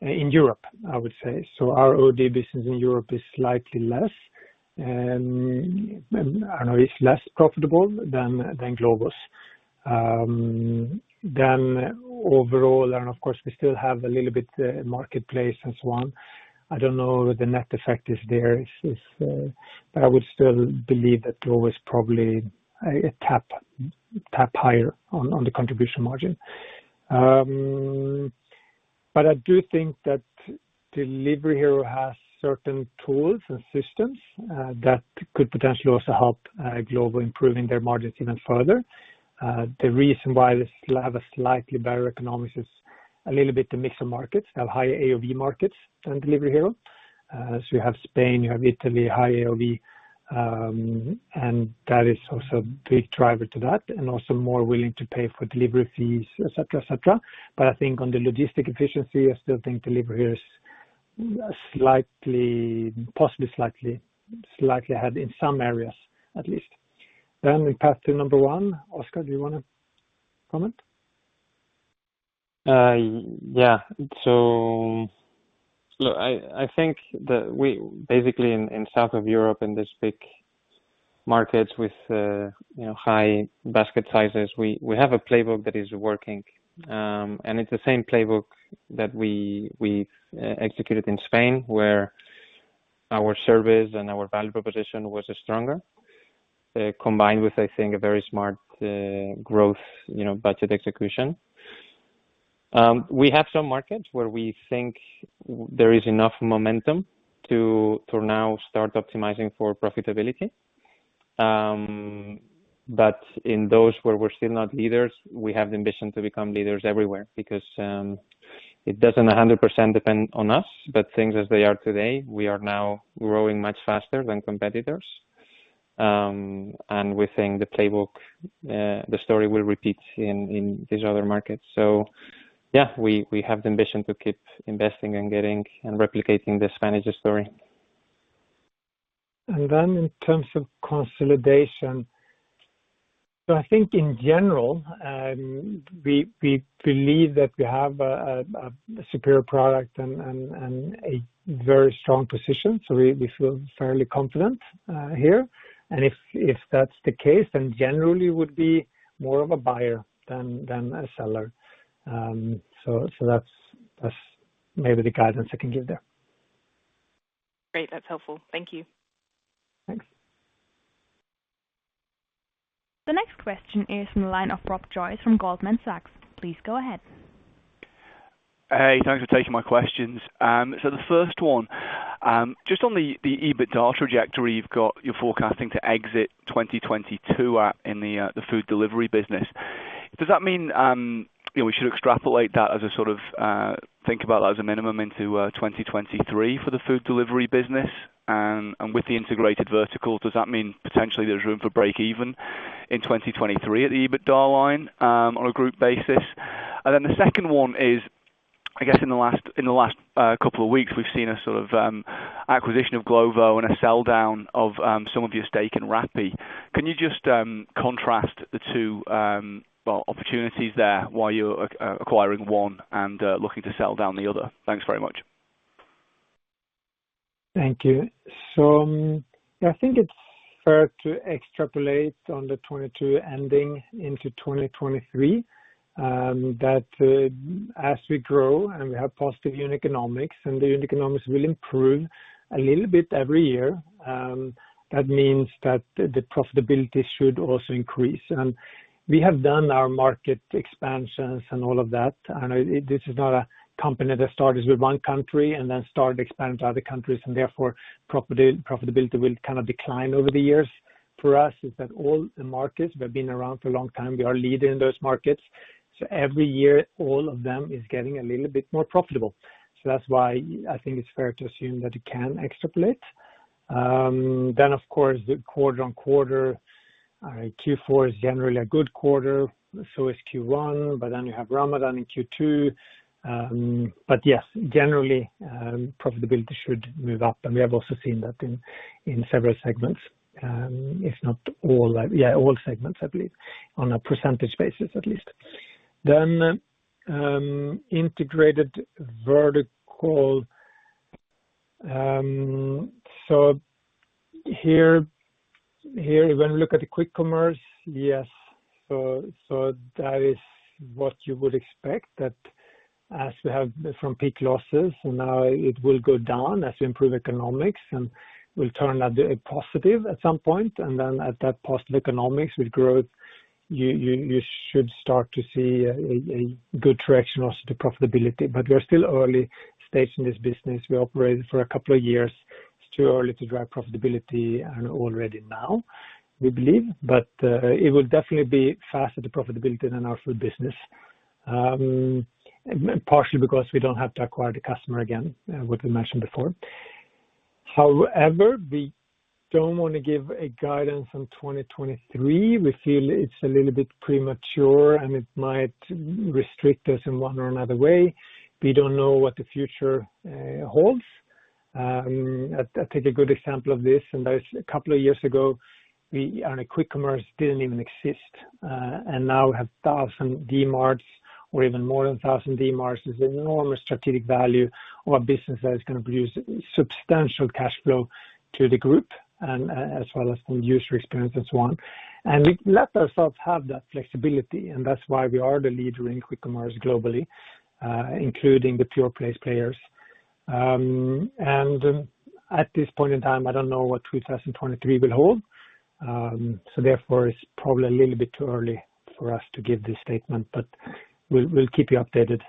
in Europe, I would say. Our OD business in Europe is slightly less, and I know it's less profitable than Glovo's. Overall, and of course we still have a little bit marketplace and so on. I don't know what the net effect is there. It's I would still believe that Glovo is probably a tad higher on the contribution margin. I do think that Delivery Hero has certain tools and systems that could potentially also help Glovo improving their margins even further. The reason why they still have a slightly better economics is a little bit the mix of markets. They have higher AOV markets than Delivery Hero. So, you have Spain, you have Italy, high AOV, and that is also a big driver to that, and also more willing to pay for delivery fees, et cetera, et cetera. I think on the logistics efficiency, I still think Delivery Hero is slightly possibly ahead in some areas, at least. We pass to number one. Óscar, do you wanna comment? Yeah. Look, I think that we basically in south of Europe in these big markets with, you know, high basket sizes. We have a playbook that is working. It's the same playbook that we executed in Spain, where our service and our value proposition was stronger, combined with, I think, a very smart growth, you know, budget execution. We have some markets where we think there is enough momentum to now start optimizing for profitability. In those where we're still not leaders, we have the ambition to become leaders everywhere because it doesn't 100% depend on us. Things as they are today, we are now growing much faster than competitors, and we think the playbook, the story will repeat in these other markets. Yeah, we have the ambition to keep investing and getting and replicating the Spanish story. In terms of consolidation. I think in general; we believe that we have a superior product and a very strong position. We feel fairly confident here. If that's the case, then generally would be more of a buyer than a seller. That's maybe the guidance I can give there. Great. That's helpful. Thank you. Thanks. The next question is from the line of Rob Joyce from Goldman Sachs. Please go ahead. Hey, thanks for taking my questions. The first one, just on the EBITDA trajectory you've got, you're forecasting to exit 2022 at in the food delivery business. Does that mean, you know, we should extrapolate that as a sort of think about that as a minimum into 2023 for the food delivery business? With the integrated verticals, does that mean potentially there's room for break even in 2023 at the EBITDA line, on a group basis? The second one is, I guess in the last couple of weeks, we've seen a sort of acquisition of Glovo and a sell down of some of your stake in Rappi. Can you just contrast the two, well, opportunities there, why you are acquiring one and looking to sell down the other? Thanks very much. Thank you. I think it's fair to extrapolate on the 2022 ending into 2023, that as we grow and we have positive unit economics, and the unit economics will improve a little bit every year, that means that the profitability should also increase. We have done our market expansions and all of that. This is not a company that started with one country and then started expanding to other countries and therefore profitability will kind of decline over the years. For us, it's that all the markets we have been around for a long time, we are leading those markets. Every year all of them is getting a little bit more profitable. That's why I think it's fair to assume that you can extrapolate. Of course, quarter-on-quarter, Q4 is generally a good quarter, so is Q1, but you have Ramadan in Q2. Yes, generally, profitability should move up. We have also seen that in several segments, if not all. Yeah, all segments, I believe, on a percentage basis at least. Integrated Verticals. Here, when we look at the quick commerce, yes. That is what you would expect, that as we have from peak losses and now it will go down as we improve economics and will turn a good traction also to profitability. We are still early stage in this business. We operate for a couple of years. It's too early to drive profitability and already now we believe. It will definitely be faster to profitability than our food business, partially because we don't have to acquire the customer again, what we mentioned before. However, we don't want to give a guidance on 2023. We feel it's a little bit premature, and it might restrict us in one or another way. We don't know what the future holds. Take a good example of this, that's a couple of years ago, quick commerce didn't even exist. Now we have 1,000 Dmarts or even more than 1,000 Dmarts is enormous strategic value or a business that is gonna produce substantial cash flow to the group and as well as the user experience and so on. We let ourselves have that flexibility, and that's why we are the leader in quick commerce globally, including the pure-play players. At this point in time, I don't know what 2023 will hold. Therefore it's probably a little bit too early for us to give this statement, but we'll keep you updated.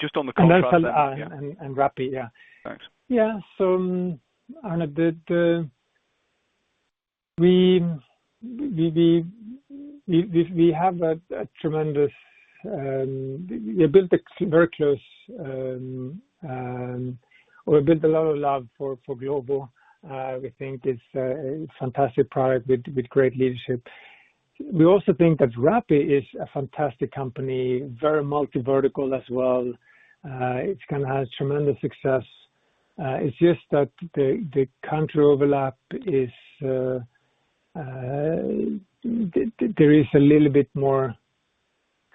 Just on the contrast. Then sell and Rappi, yeah. Thanks. We built a lot of love for Glovo. We think it's a fantastic product with great leadership. We also think that Rappi is a fantastic company, very multi-vertical as well. It's gonna have tremendous success. It's just that the country overlap is a little bit more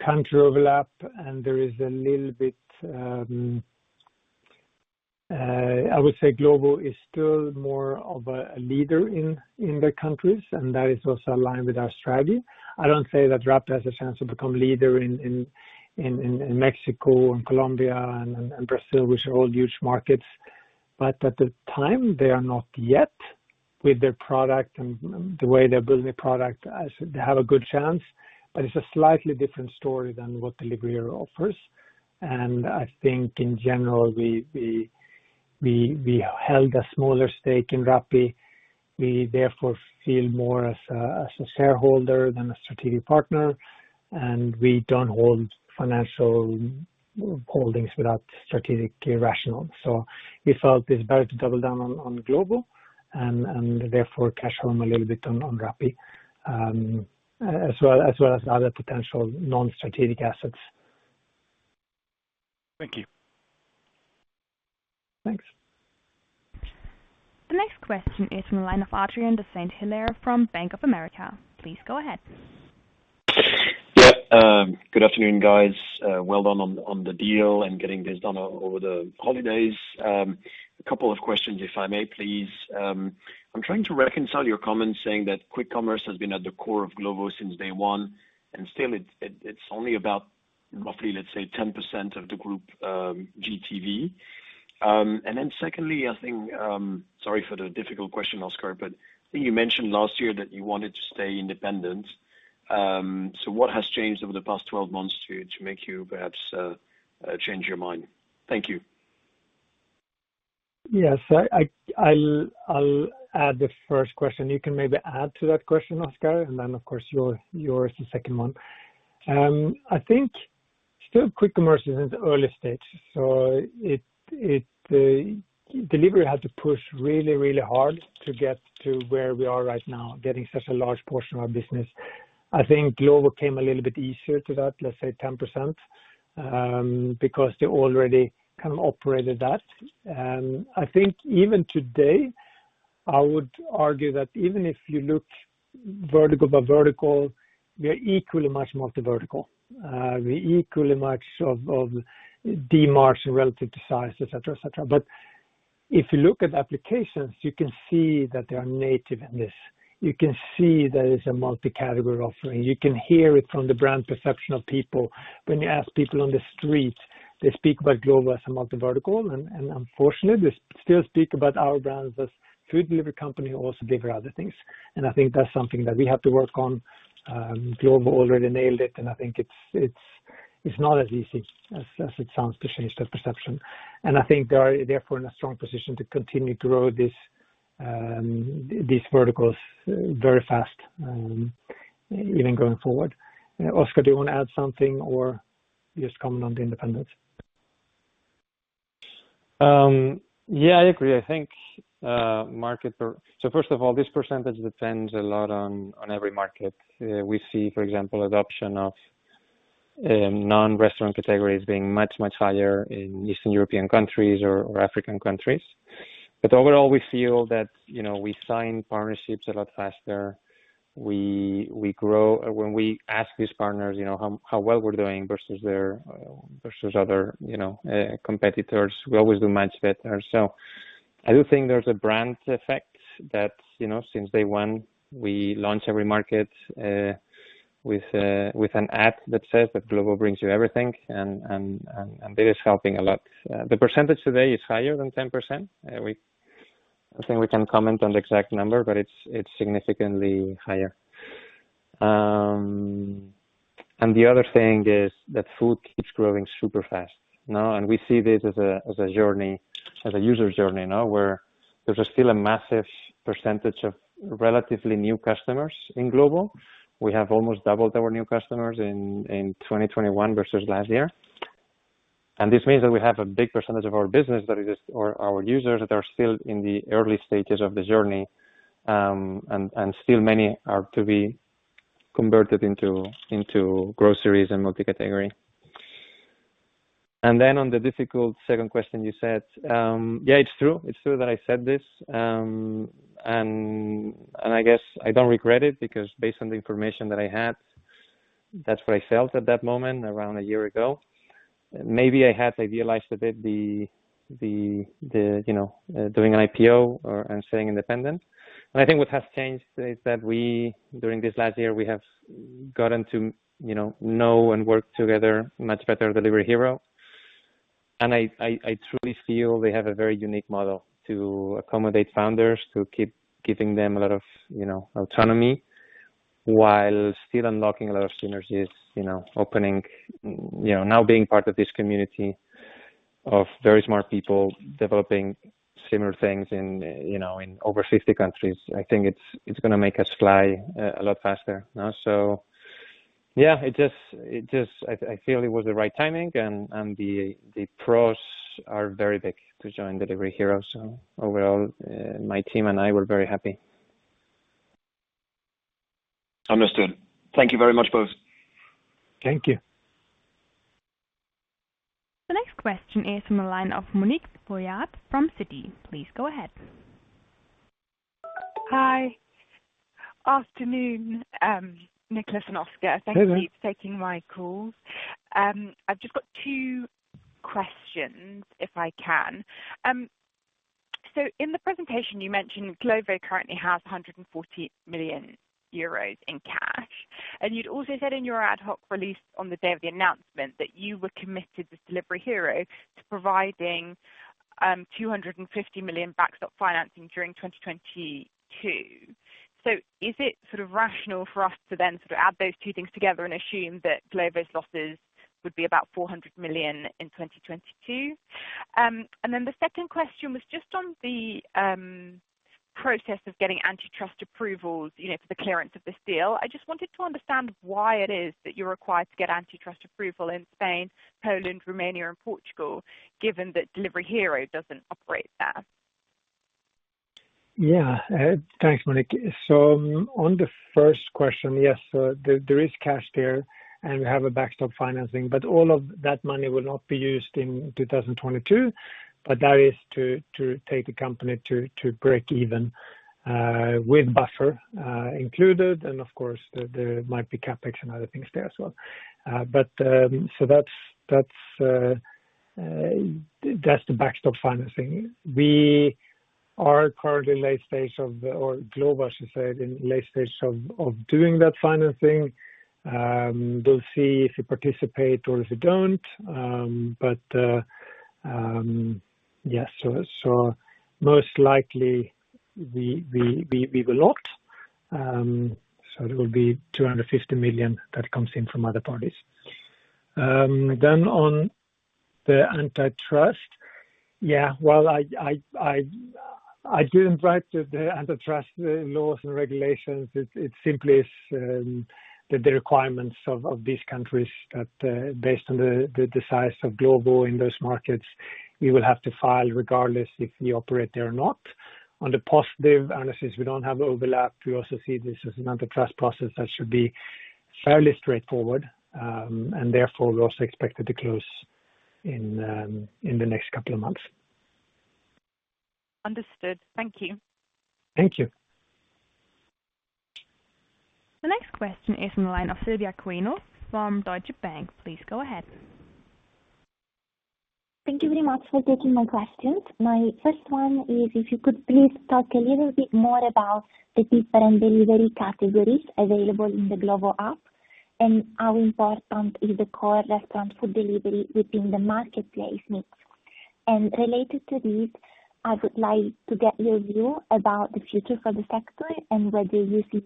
country overlap. I would say Glovo is still more of a leader in their countries, and that is also aligned with our strategy. I don't say that Rappi has a chance to become leader in Mexico and Colombia and Brazil, which are all huge markets. At the time, they are not yet with their product and the way they're building a product. I said they have a good chance, but it's a slightly different story than what Delivery offers. I think in general; we held a smaller stake in Rappi. We therefore feel more as a shareholder than a strategic partner, and we don't hold financial holdings without strategic rationale. We felt it's better to double down on Glovo and therefore cash out a little bit on Rappi, as well as other potential non-strategic assets. Thank you. Thanks. The next question is from the line of Adrien de Saint-Hilaire from Bank of America. Please go ahead. Yeah. Good afternoon, guys. Well, done on the deal and getting this done over the holidays. A couple of questions, if I may please. I'm trying to reconcile your comments saying that quick commerce has been at the core of Glovo since day one, and still, it's only about roughly, let's say, 10% of the group, GTV. And then secondly, I think, sorry for the difficult question, Óscar, but I think you mentioned last year that you wanted to stay independent. What has changed over the past 12 months to make you perhaps change your mind? Thank you. Yes. I'll add the first question. You can maybe add to that question, Óscar, and then of course yours, the second one. I think still quick commerce is in the early stages. Delivery had to push really hard to get to where we are right now, getting such a large portion of our business. I think Glovo came a little bit easier to that, let's say 10%, because they already kind of operated that. I think even today, I would argue that even if you look vertical by vertical, we are equally much multi vertical. We're equally much of Dmarts relative to size, et cetera, et cetera. But if you look at applications, you can see that they are native in this. You can see that it's a multi-category offering. You can hear it from the brand perception of people. When you ask people on the street, they speak about Glovo as a multi vertical. Unfortunately, they still speak about our brand as food delivery company who also deliver other things. I think that's something that we have to work on. Glovo already nailed it, and I think it's not as easy as it sounds to change that perception. I think they are therefore in a strong position to continue to grow these verticals very fast, even going forward. Óscar, do you wanna add something or just comment on the independence? Yeah, I agree. I think first of all, this percentage depends a lot on every market. We see, for example, adoption of non-restaurant categories being much higher in Eastern European countries or African countries. Overall, we feel that, you know, we sign partnerships a lot faster. We grow. When we ask these partners, you know, how well we're doing versus their other competitors, we always do much better. I do think there's a brand effect that, you know, since day one, we launch every market with an app that says that Glovo brings you everything and this is helping a lot. The percentage today is higher than 10%. I think we can't comment on the exact number, but it's significantly higher. The other thing is that food keeps growing super-fast. Now we see this as a journey, as a user journey now, where there's still a massive percentage of relatively new customers in Glovo. We have almost doubled our new customers in 2021 versus last year. This means that we have a big percentage of our business that is or our users that are still in the early stages of the journey, and still many are to be converted into groceries and multi-category. Then on the difficult second question you said, it's true. It's true that I said this. I guess I don't regret it because based on the information that I had, that's what I felt at that moment, around a year ago. Maybe I had idealized a bit the you know doing an IPO or and staying independent. I think what has changed is that we during this last year we have gotten to you know know and work together much better Delivery Hero. I truly feel they have a very unique model to accommodate founders, to keep giving them a lot of you know autonomy, while still unlocking a lot of synergies, you know opening you know now being part of this community of very smart people developing similar things in you know in over 50 countries. I think it's gonna make us fly a lot faster. Now, yeah, it just, I feel it was the right timing, and the pros are very big to join Delivery Hero. Overall, my team and I were very happy. Understood. Thank you very much, both. Thank you. Question is from the line of Monique Pollard from Citi. Please go ahead. Hi. Good afternoon, Niklas and Óscar. Hello. Thanks for keeping taking my calls. I've just got two questions, if I can. In the presentation you mentioned Glovo currently has 140 million euros in cash. You'd also said in your ad hoc release on the day of the announcement that you were committed with Delivery Hero to providing 250 million backstop financing during 2022. Is it sort of rational for us to then sort of add those two things together and assume that Glovo's losses would be about 400 million in 2022? The second question was just on the process of getting antitrust approvals, you know, for the clearance of this deal. I just wanted to understand why it is that you're required to get antitrust approval in Spain, Poland, Romania, and Portugal, given that Delivery Hero doesn't operate there. Yeah. Thanks, Monique. On the first question, yes, there is cash there, and we have a backstop financing, but all of that money will not be used in 2022, but that is to take the company to break even with buffer included. Of course, there might be CapEx and other things there as well. That's the backstop financing. We are currently in late stage for Glovo, I should say, of doing that financing. We'll see if they participate or if they don't. Yes, most likely we will not. It will be 250 million that comes in from other parties. On the antitrust. Yeah. Well, I didn't write the antitrust laws and regulations. It simply is the requirements of these countries that, based on the size of Glovo in those markets, we will have to file regardless of if we operate there or not. On the positive analysis, we don't have overlap. We also see this as an antitrust process that should be fairly straightforward. Therefore, we also expect it to close in the next couple of months. Understood. Thank you. Thank you. The next question is from the line of Silvia Cuneo from Deutsche Bank. Please go ahead. Thank you very much for taking my questions. My first one is if you could please talk a little bit more about the different delivery categories available in the Glovo app and how important is the core restaurant food delivery within the marketplace mix. Related to this, I would like to get your view about the future for the sector and whether you see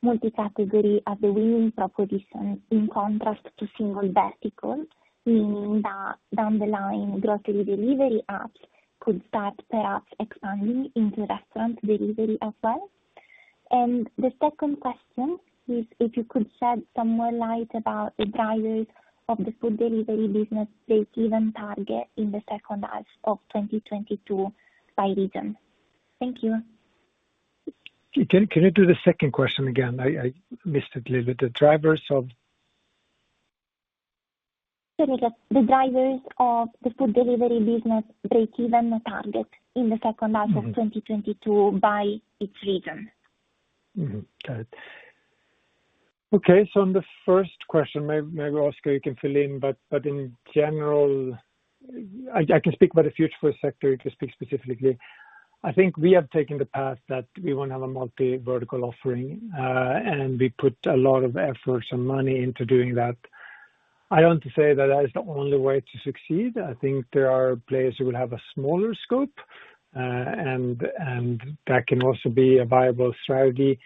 multi-category as a winning proposition in contrast to single verticals, meaning that down the line, grocery delivery apps could start perhaps expanding into restaurant delivery as well. The second question is if you could shed some more light about the drivers of the food delivery business break-even target in the H2 of 2022 by region. Thank you. Can you do the second question again? I missed it a little bit. The drivers of? Sorry, Nick. The drivers of the food delivery business break-even target in the H2 of 2022 by each region. Mm-hmm. Got it. Okay. On the first question, maybe Óscar, you can fill in, but in general, I can speak about the future for the sector, to speak specifically. I think we have taken the path that we wanna have a multi-vertical offering, and we put a lot of effort and money into doing that. I don't want to say that is the only way to succeed. I think there are players who will have a smaller scope, and that can also be a viable strategy,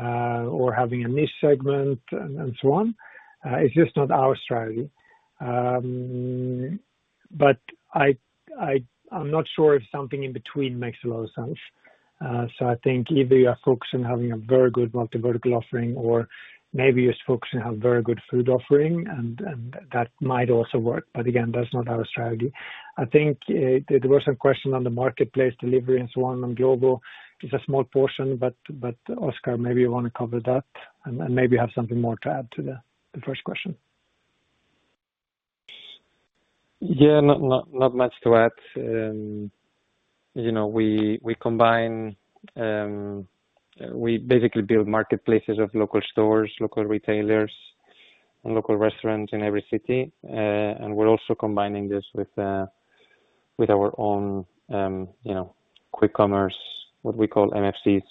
or having a niche segment and so on. It's just not our strategy. I'm not sure if something in between makes a lot of sense. I think either you are focused on having a very good multi-vertical offering or maybe just focused on having very good food offering and that might also work. Again, that's not our strategy. I think there was some question on the marketplace delivery and so on on Glovo. It's a small portion, but Óscar, maybe you wanna cover that and maybe have something more to add to the first question. Yeah. Not much to add. You know, we combine. We basically build marketplaces of local stores, local retailers, and local restaurants in every city. We're also combining this with our own, you know, quick commerce, what we call MFCs.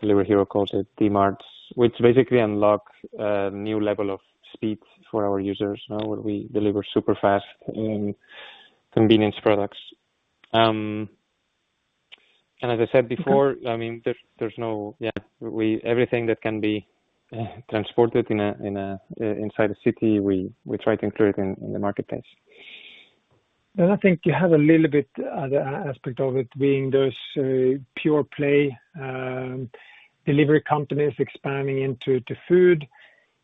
Delivery Hero calls it Dmarts, which basically unlock a new level of speed for our users, you know, where we deliver super-fast, convenience products. As I said before, I mean, there's no. Yeah, everything that can be transported inside the city, we try to include it in the marketplace. I think you have a little bit, aspect of it being those pure play delivery companies expanding into food.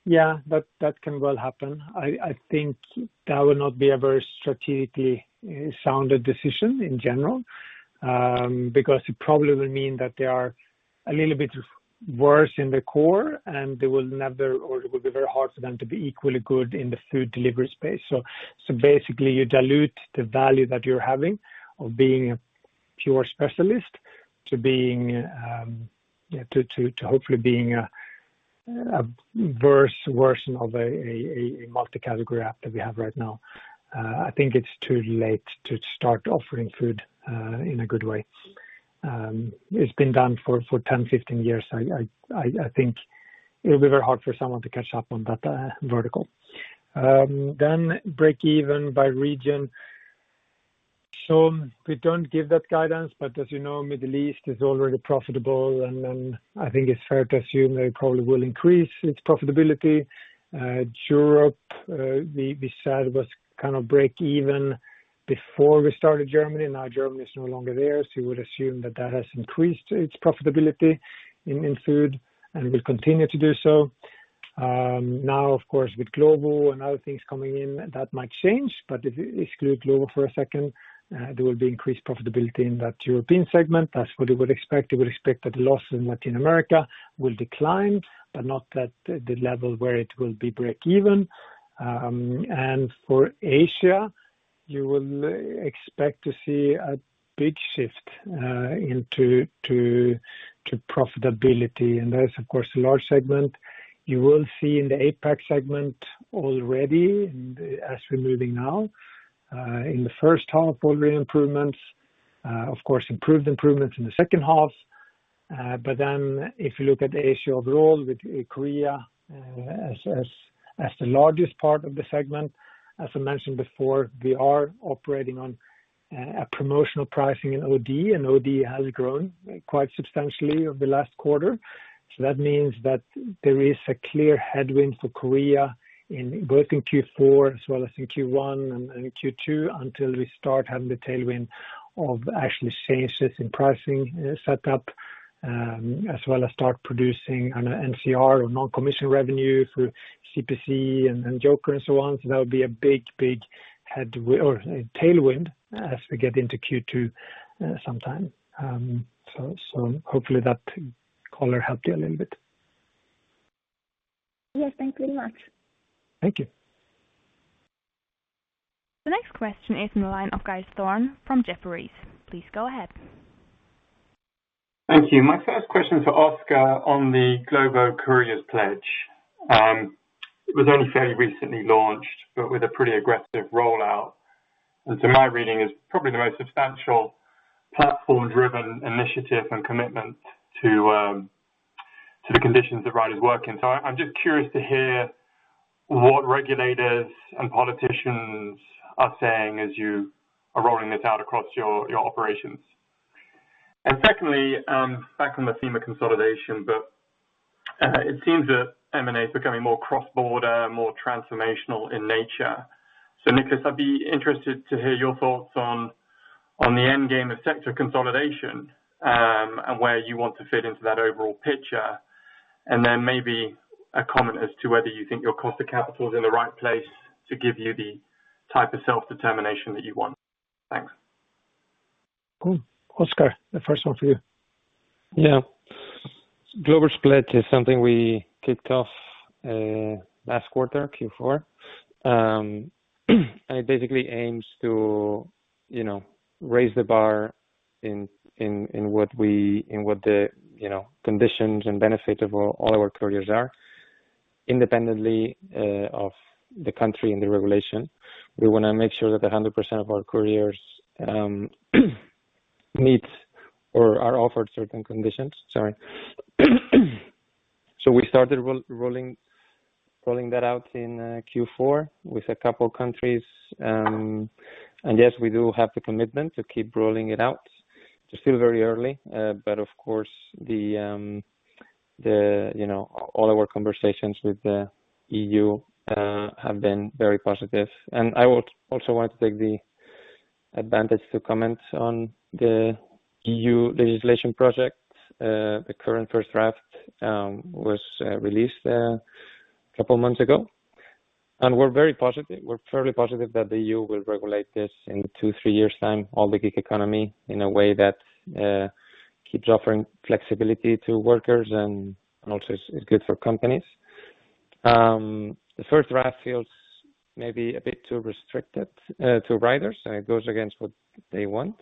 Yeah, that can well happen. I think that would not be a very strategically sound decision in general. Because it probably will mean that they are a little bit worse in the core, and they will never or it will be very hard for them to be equally good in the food delivery space. So basically, you dilute the value that you're having of being a pure specialist to being, yeah, to hopefully being a worse version of a multi-category app that we have right now. I think it's too late to start offering food in a good way. It's been done for 10, 15 years. I think it'll be very hard for someone to catch up on that vertical, then break even by region. We don't give that guidance, but as you know, Middle East is already profitable, and I think it's fair to assume that it probably will increase its profitability. Europe, we said was kind of break even before we started Germany. Now Germany is no longer there. You would assume that that has increased its profitability in food and will continue to do so. Now of course, with Glovo and other things coming in that might change, but if you exclude Glovo for a second, there will be increased profitability in that European segment. That's what you would expect. You would expect that the loss in Latin America will decline, but not at the level where it will be breakeven. For Asia, you will expect to see a big shift into profitability. That is of course a large segment. You will see in the APAC segment already and as we're moving now in the H1, already improvements, of course improvements in the H2. If you look at Asia overall with Korea as the largest part of the segment, as I mentioned before, we are operating on a promotional pricing in OD, and OD has grown quite substantially over the last quarter. That means that there is a clear headwind for Korea in both in Q4 as well as in Q1 and Q2 until we start having the tailwind of actually changes in pricing, set up, as well as start producing an NCR or non-commission revenue through CPC and Joker and so on. That would be a big tailwind as we get into Q2 sometime. Hopefully that color helped you a little bit. Yes. Thank you very much. Thank you. The next question is in the line of Giles Thorne from Jefferies. Please go ahead. Thank you. My first question is for Óscar on the Glovo Couriers Pledge. It was only fairly recently launched, but with a pretty aggressive rollout. To my reading is probably the most substantial platform-driven initiative and commitment to the conditions that riders work in. I'm just curious to hear what regulators and politicians are saying as you are rolling this out across your operations. Secondly, back on the EMEA consolidation, it seems that M&A is becoming more cross-border, more transformational in nature. Niklas, I'd be interested to hear your thoughts on the end game of sector consolidation and where you want to fit into that overall picture. Then maybe a comment as to whether you think your cost of capital is in the right place to give you the type of self-determination that you want. Thanks. Cool. Óscar, the first one for you. Yeah. Glovo's pledge is something we kicked off last quarter, Q4. It basically aims to you know raise the bar in the conditions and benefits for all our couriers, independent of the country and the regulation. We wanna make sure that 100% of our couriers meet or are offered certain conditions. Sorry. We started rolling that out in Q4 with a couple of countries. Yes, we do have the commitment to keep rolling it out. It's still very early. Of course, you know all our conversations with the EU have been very positive. I would also like to take the opportunity to comment on the Platform Work Directive. The current first draft was released a couple of months ago, and we're very positive. We're fairly positive that the EU will regulate this in two-three years' time all the gig economy, in a way that keeps offering flexibility to workers and also is good for companies. The first draft feels maybe a bit too restricted to riders, and it goes against what they want,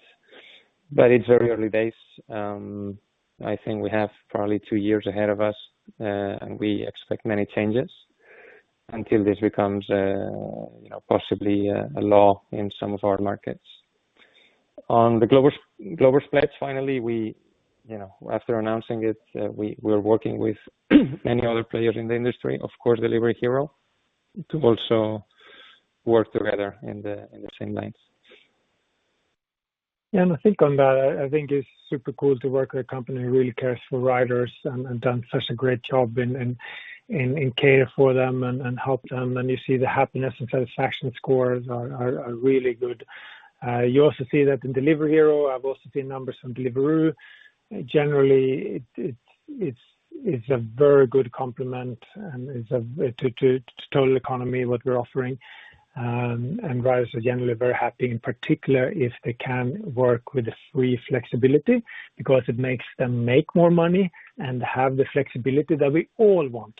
but it's very early days. I think we have probably two years ahead of us, and we expect many changes until this becomes you know possibly a law in some of our markets. On the Glovo pledge, finally, we you know after announcing it, we're working with many other players in the industry, of course, Delivery Hero, to also work together in the same lines. Yeah. I think on that, I think it's super cool to work with a company who really cares for riders and done such a great job in care for them and help them. You see the happiness and satisfaction scores are really good. You also see that in Delivery Hero. I've also seen numbers from Deliveroo. Generally, it's a very good complement and it's a to the gig economy what we're offering. Drivers are generally very happy, in particular, if they can work with full flexibility because it makes them make more money and have the flexibility that we all want.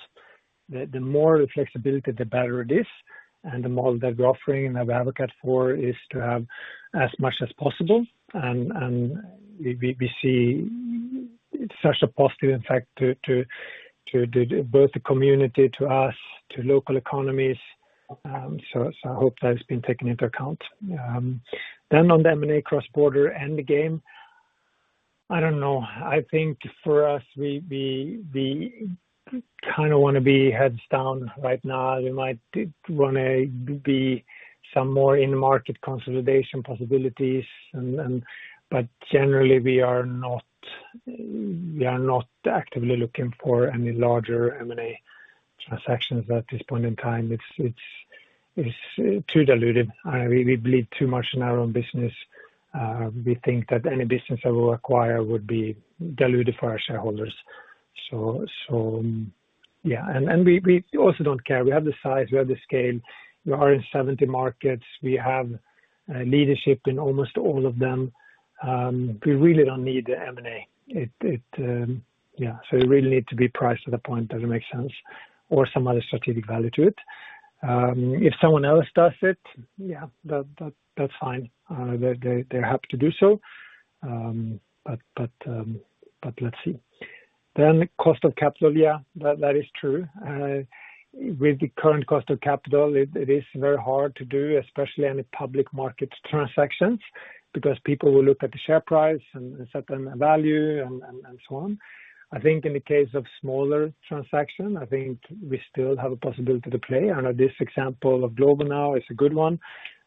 The more the flexibility, the better it is, and the model that we're offering and advocate for is to have as much as possible. We see such a positive effect to both the community, to us, to local economies. I hope that has been taken into account. On the M&A cross-border end game, I don't know. I think for us, we kinda wanna be heads down right now. There might wanna be some more in-market consolidation possibilities. Generally, we are not actively looking for any larger M&A transactions at this point in time. It's too diluted. We bleed too much in our own business. We think that any business that we acquire would be diluted for our shareholders. Yeah. We also don't care. We have the size, we have the scale. We are in 70 markets. We have leadership in almost all of them. We really don't need the M&A. It really needs to be priced to the point that it makes sense or some other strategic value to it. If someone else, does it, that's fine. They're happy to do so. Let's see. Cost of capital. That is true. With the current cost of capital, it is very hard to do, especially any public market transactions, because people will look at the share price and set them a value and so on. I think in the case of smaller transaction, I think we still have a possibility to play. I know this example of Glovo now is a good one.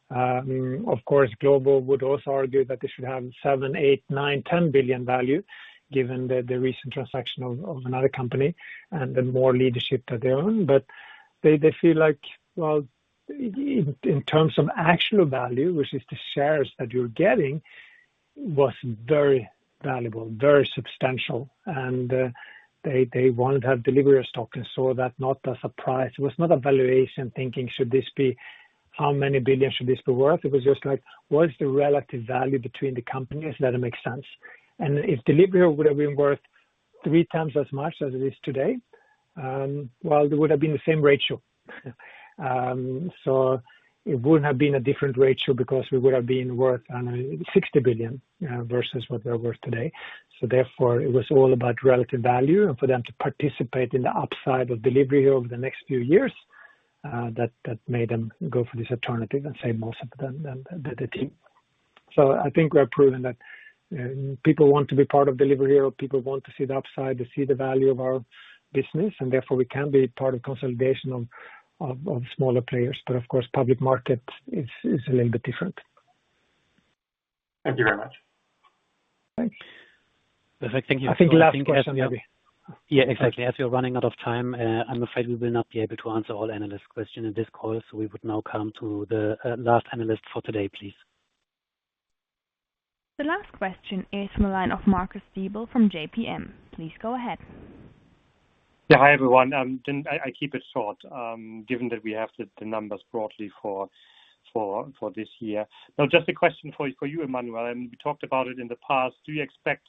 Of course, Glovo would also argue that they should have seven, eight, nine, 10 billion values given the recent transaction of another company and the market leadership that they own. They feel like, well, in terms of actual value, which is the shares that you're getting, was very valuable, very substantial. They want to have Delivery Hero stock, so that's not a surprise. It was not a valuation thinking, should this be how many billion should this be worth? It was just like, what is the relative value between the companies? Does it make sense? If Delivery Hero would have been worth three times as much as it is today, it would have been the same ratio. It wouldn't have been a different ratio because we would have been worth, I don't know, 60 billion versus what we're worth today. Therefore, it was all about relative value and for them to participate in the upside of Delivery Hero over the next few years, that made them go for this alternative and save most of them than the team. I think we have proven that people want to be part of Delivery Hero, people want to see the upside, to see the value of our business, and therefore we can be part of consolidation of smaller players. Of course, public market is a little bit different. Thank you very much. Thanks. Perfect. Thank you. I think last question maybe. Yeah, exactly. As we're running out of time, I'm afraid we will not be able to answer all analyst questions in this call. We would now come to the last analyst for today, please. The last question is from a line of Marcus Diebel from JPMorgan. Please go ahead. Yeah. Hi, everyone. I keep it short, given that we have the numbers broadly for this year. Now, just a question for you, Emmanuel, and we talked about it in the past. Do you expect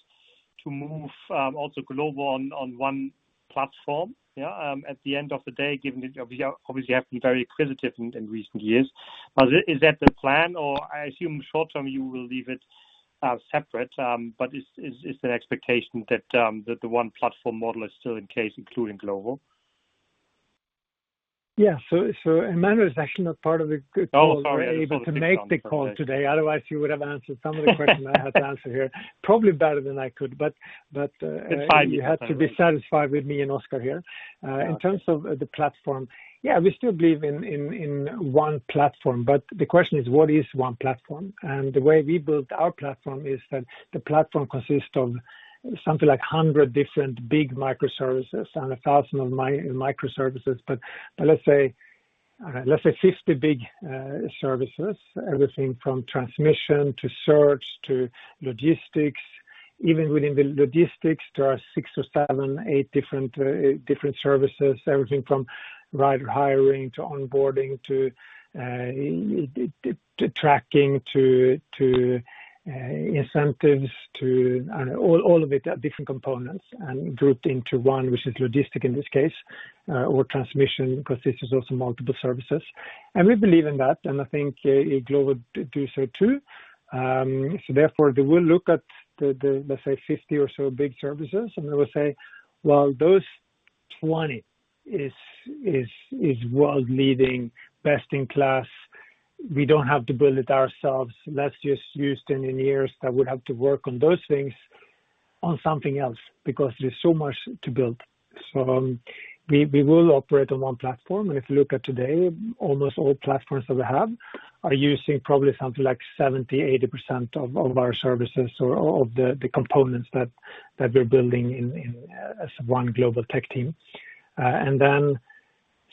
to move also Glovo on one platform? Yeah. At the end of the day, given that we have obviously been very acquisitive in recent years. Is that the plan? Or I assume short term you will leave it separate. But is the expectation that the one platform model is still in case including Glovo? Yeah. Emmanuel is actually not part of the call. Oh, sorry. We're able to make the call today. Otherwise, he would have answered some of the questions I had to answer here. Probably better than I could. It's fine. You have to be satisfied with me and Óscar here. Okay. In terms of the platform, yeah, we still believe in one platform, but the question is what is one platform? The way we built our platform is that the platform consists of something like 100 different big microservices and 1,000 microservices. Let's say 50 big services, everything from transmission to search to logistics. Even within the logistics, there are six to seven, eight different services, everything from rider hiring to onboarding to tracking to incentives. All of it are different components and grouped into one, which is logistics in this case, or transmission 'cause this is also multiple services. We believe in that, and I think Glovo do so, too. Therefore, they will look at the, let's say, 50 or so big services, and they will say, "Well, those 20 is world-leading, best-in-class. We don't have to build it ourselves. Let's just use the engineers that would have to work on those things on something else because there's so much to build." We will operate on one platform. If you look at today, almost all platforms that we have are using probably something like 70%-80% of our services or of the components that we're building in as one global tech team. Then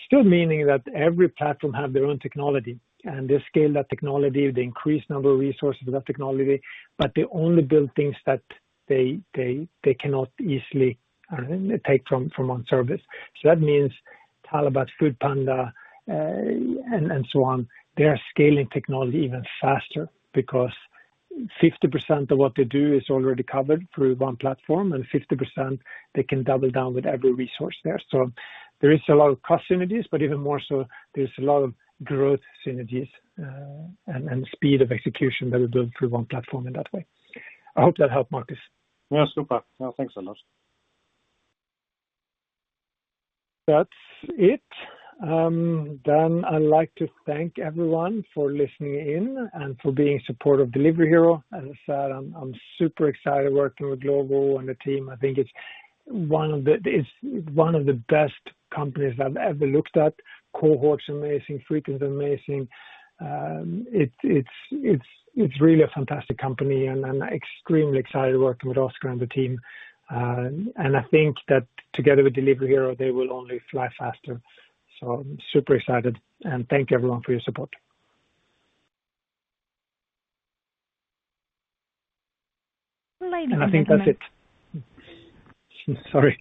still meaning that every platform has their own technology, and they scale that technology, they increased number of resources of that technology, but they only build things that they cannot easily, I don't know, take from one service. That means talabat, foodpanda, and so on. They are scaling technology even faster because 50% of what they do is already covered through one platform, and 50% they can double down with every resource there. There is a lot of cost synergies, but even more so, there's a lot of growth synergies, and speed of execution that we build through one platform in that way. I hope that helped, Marcus. Yeah. Super. Yeah. Thanks a lot. That's it. I'd like to thank everyone for listening in and for being supportive of Delivery Hero. As I said, I'm super excited working with Glovo and the team. I think it's one of the best companies I've ever looked at. Cohort's amazing, footprint amazing. It's really a fantastic company, and I'm extremely excited working with Óscar and the team. I think that together with Delivery Hero, they will only fly faster. I'm super excited. Thank you everyone for your support. Ladies and gentlemen. I think that's it. Sorry.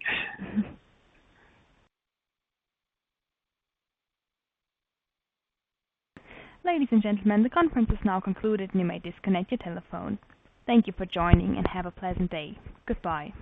Ladies and gentlemen, the conference is now concluded. You may disconnect your telephone. Thank you for joining, and have a pleasant day. Goodbye.